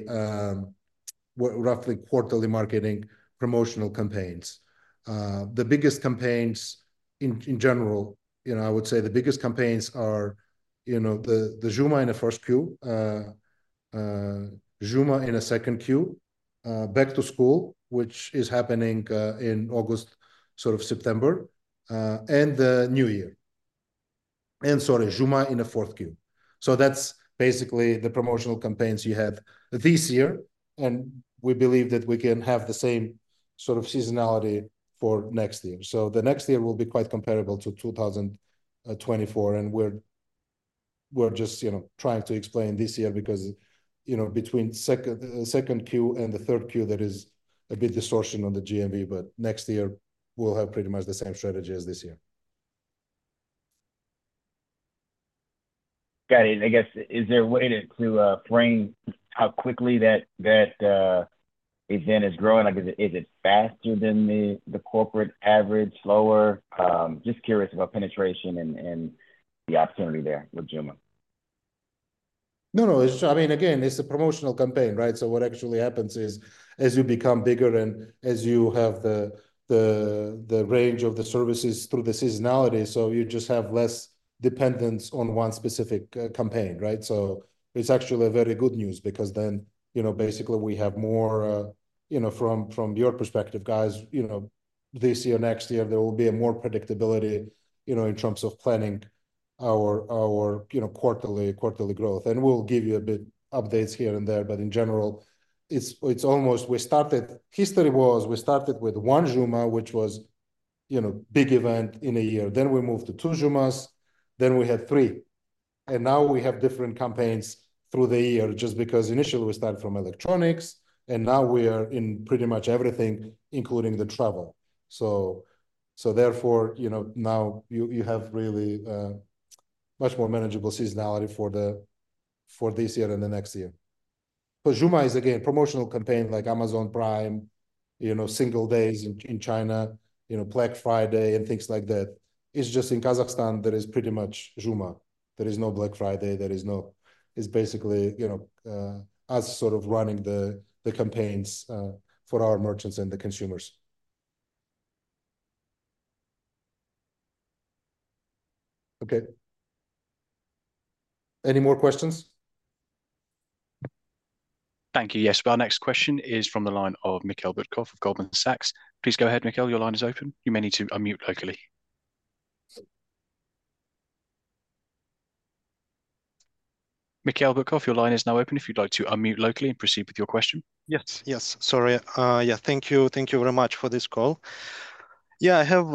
marketing promotional campaigns. The biggest campaigns in general you know I would say the biggest campaigns are you know the Zhuma in the first Q Zhuma in the second Q back to school which is happening in August sort of September and the New Year. And sorry Zhuma in the fourth Q. So that's basically the promotional campaigns we have this year and we believe that we can have the same sort of seasonality for next year. So the next year will be quite comparable to 2024, and we're just, you know, trying to explain this year, because, you know, between the second Q and the third Q, there is a bit distortion on the GMV, but next year we'll have pretty much the same strategy as this year. Got it. I guess, is there a way to frame how quickly that event is growing? Like, is it faster than the corporate average? Slower? Just curious about penetration and the opportunity there with Zhuma. No, no, it's. I mean, again, it's a promotional campaign, right? So what actually happens is, as you become bigger and as you have the range of the services through the seasonality, so you just have less dependence on one specific campaign, right? So it's actually very good news because then, you know, basically, we have more, you know, from your perspective, guys, you know, this year, next year, there will be a more predictability, you know, in terms of planning our quarterly growth. And we'll give you a bit updates here and there, but in general, it's almost. Historically we started with one Zhuma, which was, you know, big event in a year, then we moved to two Zhumas, then we had three, and now we have different campaigns through the year. Just because initially we started from electronics, and now we are in pretty much everything, including the travel. So therefore, you know, now you have really much more manageable seasonality for this year and the next year. But Zhuma is, again, promotional campaign like Amazon Prime, you know, Singles' Day in China, you know, Black Friday and things like that. It's just in Kazakhstan, there is pretty much Zhuma. There is no Black Friday. There is no. There's basically, you know, us sort of running the, the campaigns for our merchants and the consumers. Okay. Any more questions? Thank you. Yes, our next question is from the line of Mikhail Butkov of Goldman Sachs. Please go ahead, Mikhail, your line is open. You may need to unmute locally. Mikhail Butkov, your line is now open if you'd like to unmute locally and proceed with your question. Yes, sorry. Yeah, thank you. Thank you very much for this call. Yeah, I have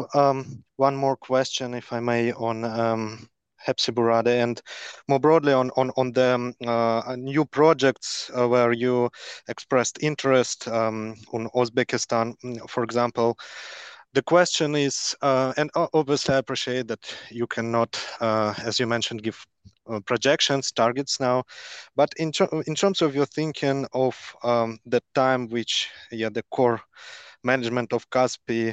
one more question, if I may, on Hepsiburada, and more broadly on the new projects where you expressed interest, on Uzbekistan, for example. The question is, and obviously, I appreciate that you cannot, as you mentioned, give projections, targets now. But in terms of your thinking of the time which, yeah, the core management of Kaspi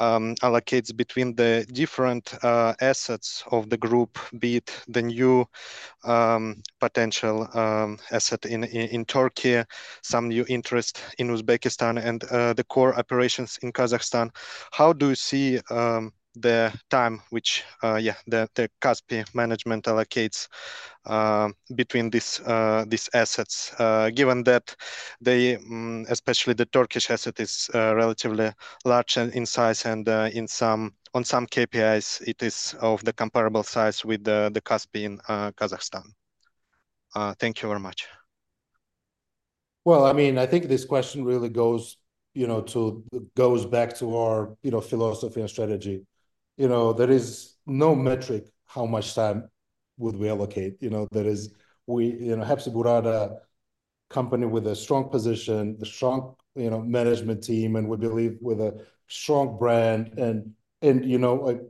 allocates between the different assets of the group, be it the new potential asset in Turkey, some new interest in Uzbekistan, and the core operations in Kazakhstan, how do you see the time which, yeah, the Kaspi management allocates between these assets? Given that the, especially the Turkish asset is relatively large in size and, on some KPIs, it is of the comparable size with the Kaspi in Kazakhstan. Thank you very much. I mean, I think this question really goes back to our philosophy and strategy. You know, there is no metric, how much time would we allocate, you know? There is we, you know, Hepsiburada, company with a strong position, a strong, you know, management team, and we believe with a strong brand. And you know, like,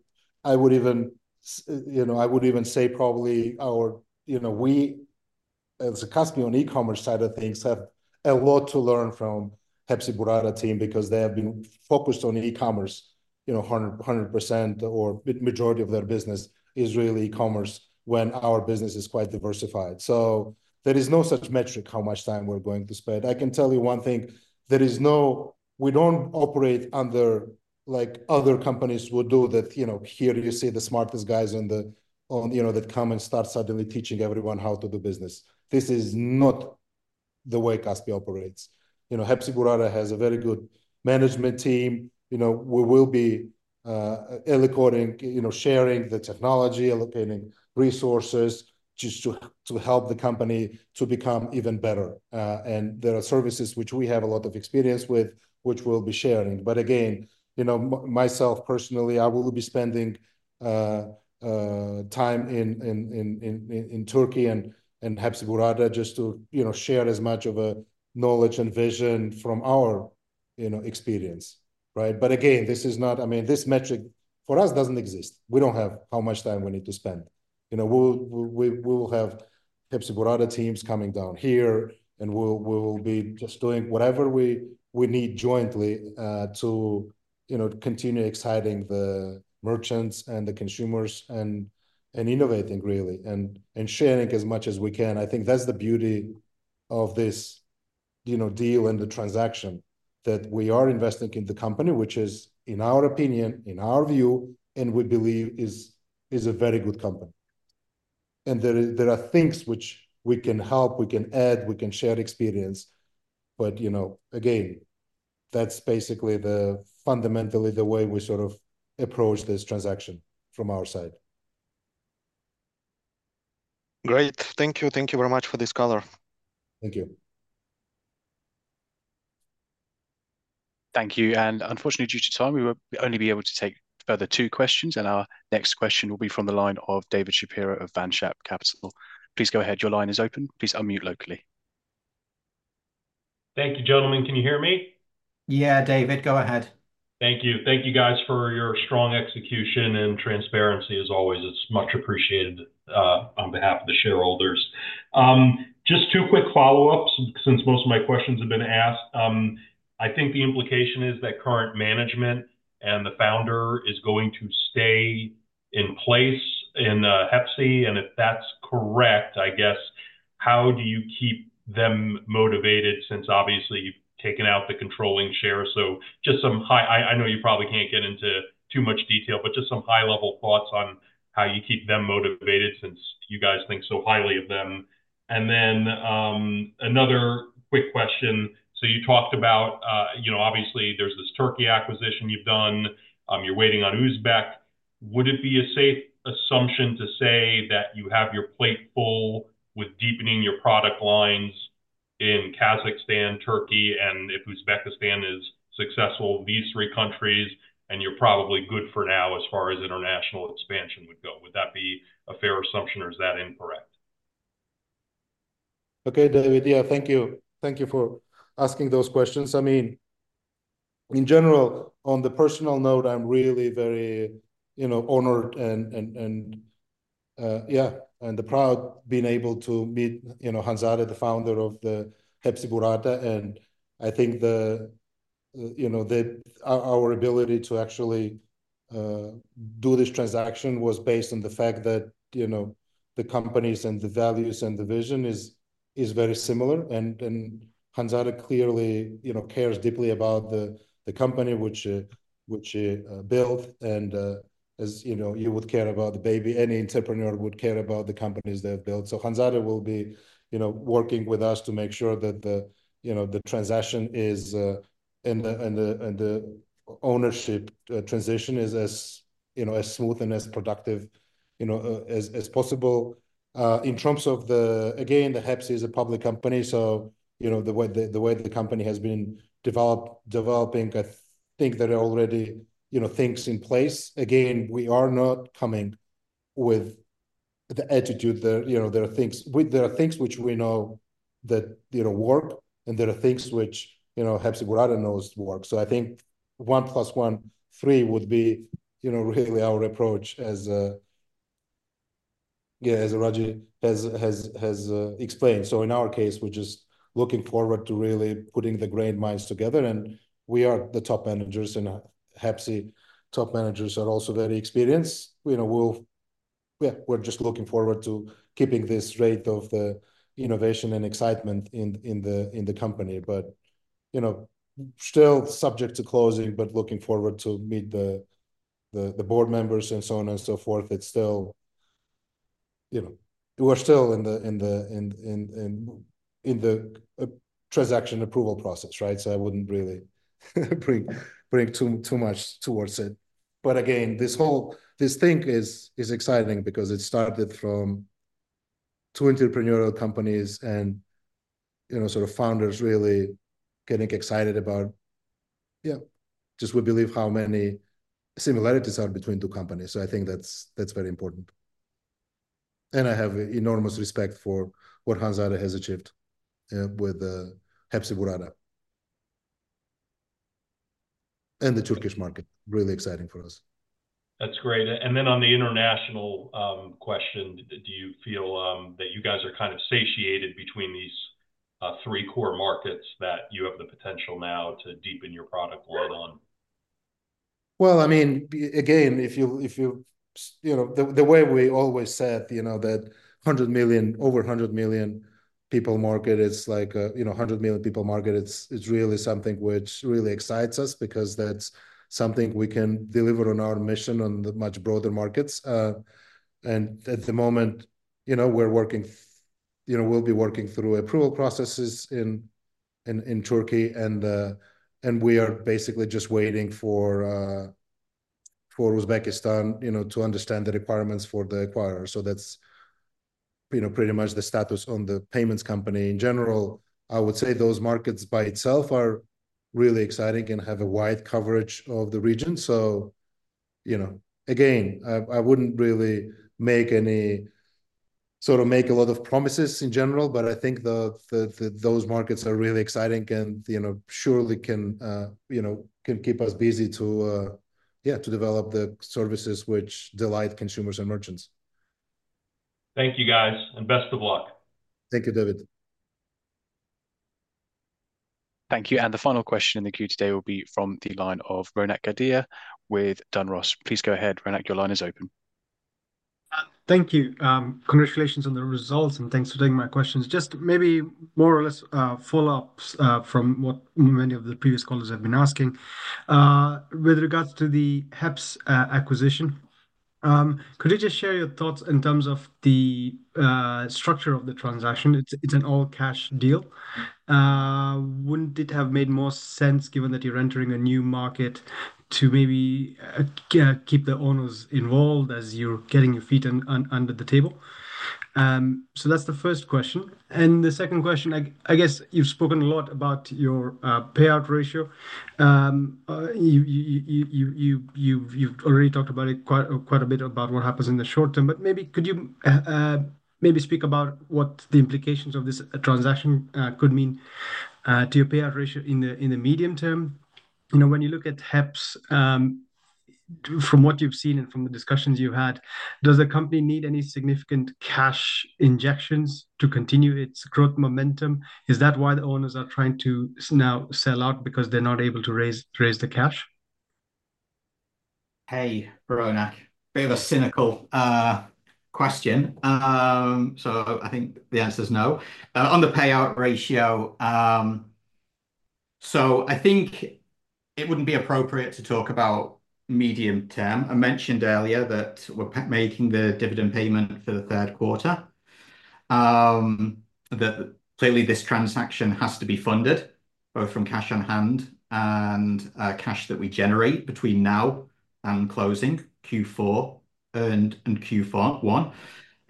I would even say probably our. You know, we, as Kaspi on e-commerce side of things, have a lot to learn from Hepsiburada team, because they have been focused on e-commerce, you know, hundred percent, or majority of their business is really e-commerce, when our business is quite diversified. So there is no such metric, how much time we're going to spend. I can tell you one thing, there is no, we don't operate under, like other companies would do, that, you know, here you see the smartest guys on the, you know, that come and start suddenly teaching everyone how to do business. This is not the way Kaspi operates. You know, Hepsiburada has a very good management team. You know, we will be allocating, you know, sharing the technology, allocating resources, just to help the company to become even better. And there are services which we have a lot of experience with, which we'll be sharing. But again, you know, myself personally, I will be spending time in Turkey and Hepsiburada just to, you know, share as much of a knowledge and vision from our, you know, experience, right? But again, this is not, I mean, this metric for us doesn't exist. We don't have how much time we need to spend. You know, we'll, we will have Hepsiburada teams coming down here, and we'll be just doing whatever we need jointly to, you know, continue exciting the merchants and the consumers and innovating really, and sharing as much as we can. I think that's the beauty of this, you know, deal and the transaction, that we are investing in the company, which is, in our opinion, in our view, and we believe is a very good company. And there are things which we can help, we can add, we can share experience, but, you know, again, that's basically, fundamentally the way we sort of approach this transaction from our side. Great. Thank you. Thank you very much for this colour. Thank you. Thank you, and unfortunately, due to time, we will only be able to take a further two questions, and our next question will be from the line of David Shapiro of Vanshap Capital. Please go ahead. Your line is open. Please unmute locally. Thank you, gentlemen. Can you hear me? Yeah, David, go ahead. Thank you. Thank you, guys, for your strong execution and transparency as always. It's much appreciated on behalf of the shareholders. Just two quick follow-ups, since most of my questions have been asked. I think the implication is that current management and the founder is going to stay in place in Hepsiburada, and if that's correct, I guess, how do you keep them motivated, since obviously you've taken out the controlling share. I know you probably can't get into too much detail, but just some high-level thoughts on how you keep them motivated since you guys think so highly of them. And then another quick question. So you talked about, you know, obviously, there's this Turkey acquisition you've done. You're waiting on Uzbekistan. Would it be a safe assumption to say that you have your plate full with deepening your product lines in Kazakhstan, Turkey, and if Uzbekistan is successful, these three countries, and you're probably good for now, as far as international expansion would go? Would that be a fair assumption, or is that incorrect? Okay, David. Yeah, thank you. Thank you for asking those questions. I mean, in general, on the personal note, I'm really very, you know, honored and proud being able to meet, you know, Hanzade, the founder of Hepsiburada. And I think, you know, our ability to actually do this transaction was based on the fact that, you know, the companies and the values and the vision is very similar. And Hanzade clearly, you know, cares deeply about the company, which she built. And, as you know, you would care about the baby, any entrepreneur would care about the companies they have built. So Hanzade will be, you know, working with us to make sure that the, you know, the transaction and the ownership transition is as, you know, as smooth and as productive, you know, as possible. In terms of the... Again, the Hepsi is a public company, so, you know, the way the company has been developed, I think there are already, you know, things in place. Again, we are not coming with the attitude that, you know, there are things which we know that, you know, work, and there are things which, you know, Hepsiburada knows work. So I think 1+1=3 would be, you know, really our approach as, yeah, as Reggie has explained. So in our case, we're just looking forward to really putting the great minds together, and we are the top managers, and Hepsi top managers are also very experienced. You know, yeah, we're just looking forward to keeping this rate of the innovation and excitement in the company. But you know, still subject to closing, but looking forward to meet the board members and so on and so forth. It's still, you know, we're still in the transaction approval process, right? So I wouldn't really bring too much towards it. But again, this whole thing is exciting because it started from two entrepreneurial companies and, you know, sort of founders really getting excited about. Yeah, just we believe how many similarities are between two companies. I think that's very important. I have enormous respect for what Hanzade has achieved with Hepsiburada and the Turkish market. Really exciting for us. That's great. And then on the international question, do you feel that you guys are kind of satiated between these three core markets that you have the potential now to deepen your product line on? I mean, again, if you, if you've- you know, the, the way we always said, you know, that 100 million, over a 100 million people market is like, you know, a hundred million people market, it's, it's really something which really excites us because that's something we can deliver on our mission on the much broader markets. And at the moment, you know, we're working, you know, we'll be working through approval processes in Turkey, and we are basically just waiting for Uzbekistan, you know, to understand the requirements for the acquirer. So that's, you know, pretty much the status on the payments company. In general, I would say those markets by itself are really exciting and have a wide coverage of the region. You know, again, I wouldn't really make a lot of promises in general. But I think those markets are really exciting and, you know, surely can keep us busy to develop the services which delight consumers and merchants. Thank you, guys, and best of luck. Thank you, David. Thank you, and the final question in the queue today will be from the line of Ronak Gadhia with Frontier Banks. Please go ahead, Ronak, your line is open. Thank you. Congratulations on the results, and thanks for taking my questions. Just maybe more or less follow-ups from what many of the previous callers have been asking. With regards to the HEPS acquisition, could you just share your thoughts in terms of the structure of the transaction? It's an all-cash deal. Wouldn't it have made more sense, given that you're entering a new market, to maybe keep the owners involved as you're getting your feet under the table, so that's the first question. And the second question, I guess you've spoken a lot about your payout ratio. You've already talked about it quite a bit about what happens in the short term, but maybe could you maybe speak about what the implications of this transaction could mean to your payout ratio in the medium term? You know, when you look at HEPS, from what you've seen and from the discussions you've had, does the company need any significant cash injections to continue its growth momentum? Is that why the owners are trying to sell out, because they're not able to raise the cash? Hey, Ronak. Bit of a cynical question. So I think the answer is no. On the payout ratio, so I think it wouldn't be appropriate to talk about medium term. I mentioned earlier that we're making the dividend payment for the third quarter. Clearly, this transaction has to be funded, both from cash on hand and cash that we generate between now and closing Q4 2024 and Q1.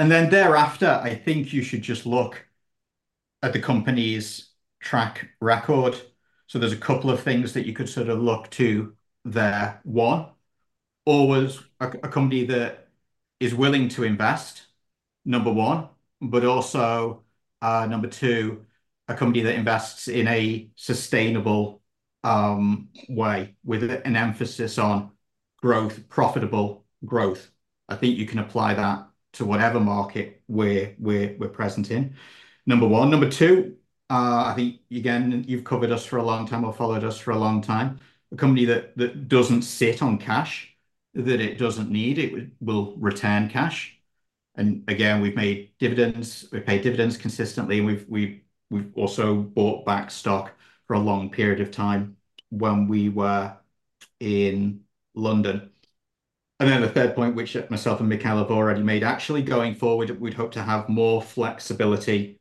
Then thereafter, I think you should just look at the company's track record. So there's a couple of things that you could sort of look to there. One, always a company that is willing to invest, number one, but also, number two, a company that invests in a sustainable way, with an emphasis on growth, profitable growth. I think you can apply that to whatever market we're present in, number one. Number two, I think, again, you've covered us for a long time or followed us for a long time. A company that doesn't sit on cash that it doesn't need, it will return cash. And again, we've made dividends, we've paid dividends consistently, and we've also bought back stock for a long period of time when we were in London. And then the third point, which myself and Mikheil have already made, actually, going forward, we'd hope to have more flexibility,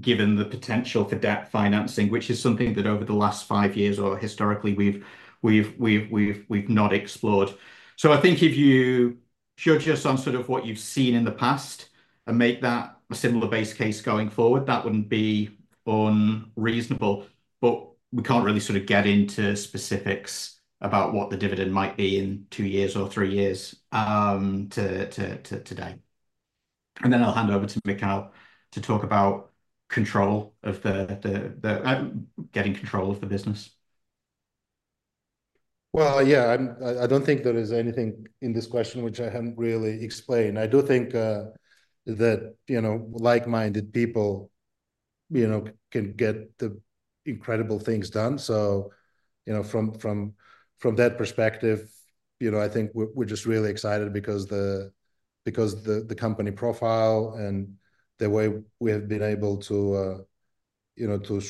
given the potential for debt financing, which is something that over the last five years or historically, we've not explored. So I think if you judge us on sort of what you've seen in the past and make that a similar base case going forward, that wouldn't be unreasonable. But we can't really sort of get into specifics about what the dividend might be in two years or three years today. And then I'll hand over to Mikheil to talk about control of the getting control of the business. Yeah, I don't think there is anything in this question which I haven't really explained. I do think that, you know, like-minded people, you know, can get incredible things done. So, you know, from that perspective, you know, I think we're just really excited because the company profile and the way we have been able to, you know, to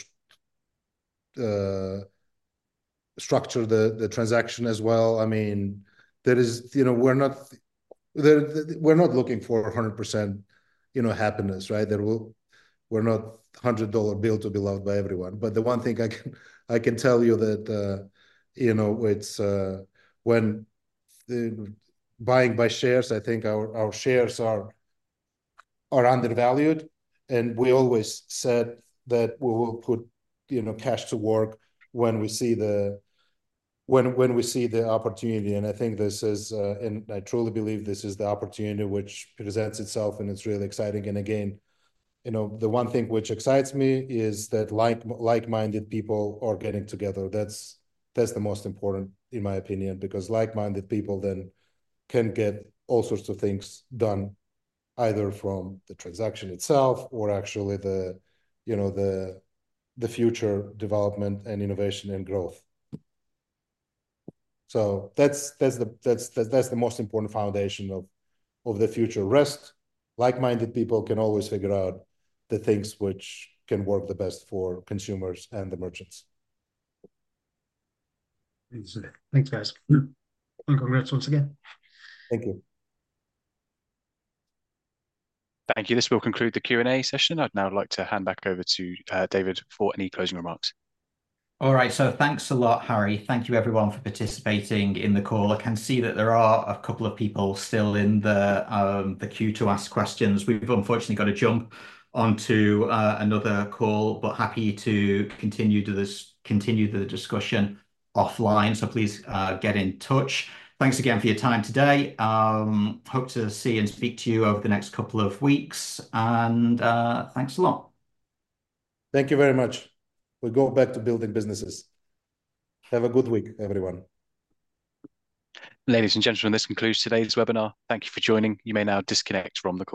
structure the transaction as well. I mean, there is. You know, we're not the, we're not looking for 100%, you know, happiness, right? There will. We're not a $100 bill to be loved by everyone. But the one thing I can tell you that, you know, it's when the. Buying back shares, I think our shares are undervalued, and we always said that we will put, you know, cash to work when we see the opportunity. I think this is, and I truly believe this is the opportunity which presents itself, and it's really exciting. And again, you know, the one thing which excites me is that like-minded people are getting together. That's the most important, in my opinion, because like-minded people then can get all sorts of things done, either from the transaction itself or actually the, you know, the future development and innovation and growth. That's the most important foundation of the future. The rest, like-minded people can always figure out the things which can work the best for consumers and the merchants. Thanks. Thanks, guys, and congrats once again. Thank you. Thank you. This will conclude the Q&A session. I'd now like to hand back over to, David, for any closing remarks. All right, so thanks a lot, Harry. Thank you everyone for participating in the call. I can see that there are a couple of people still in the queue to ask questions. We've unfortunately got to jump onto another call, but happy to continue the discussion offline. So please, get in touch. Thanks again for your time today. Hope to see and speak to you over the next couple of weeks, and thanks a lot. Thank you very much. We go back to building businesses. Have a good week, everyone. Ladies and gentlemen, this concludes today's webinar. Thank you for joining. You may now disconnect from the call.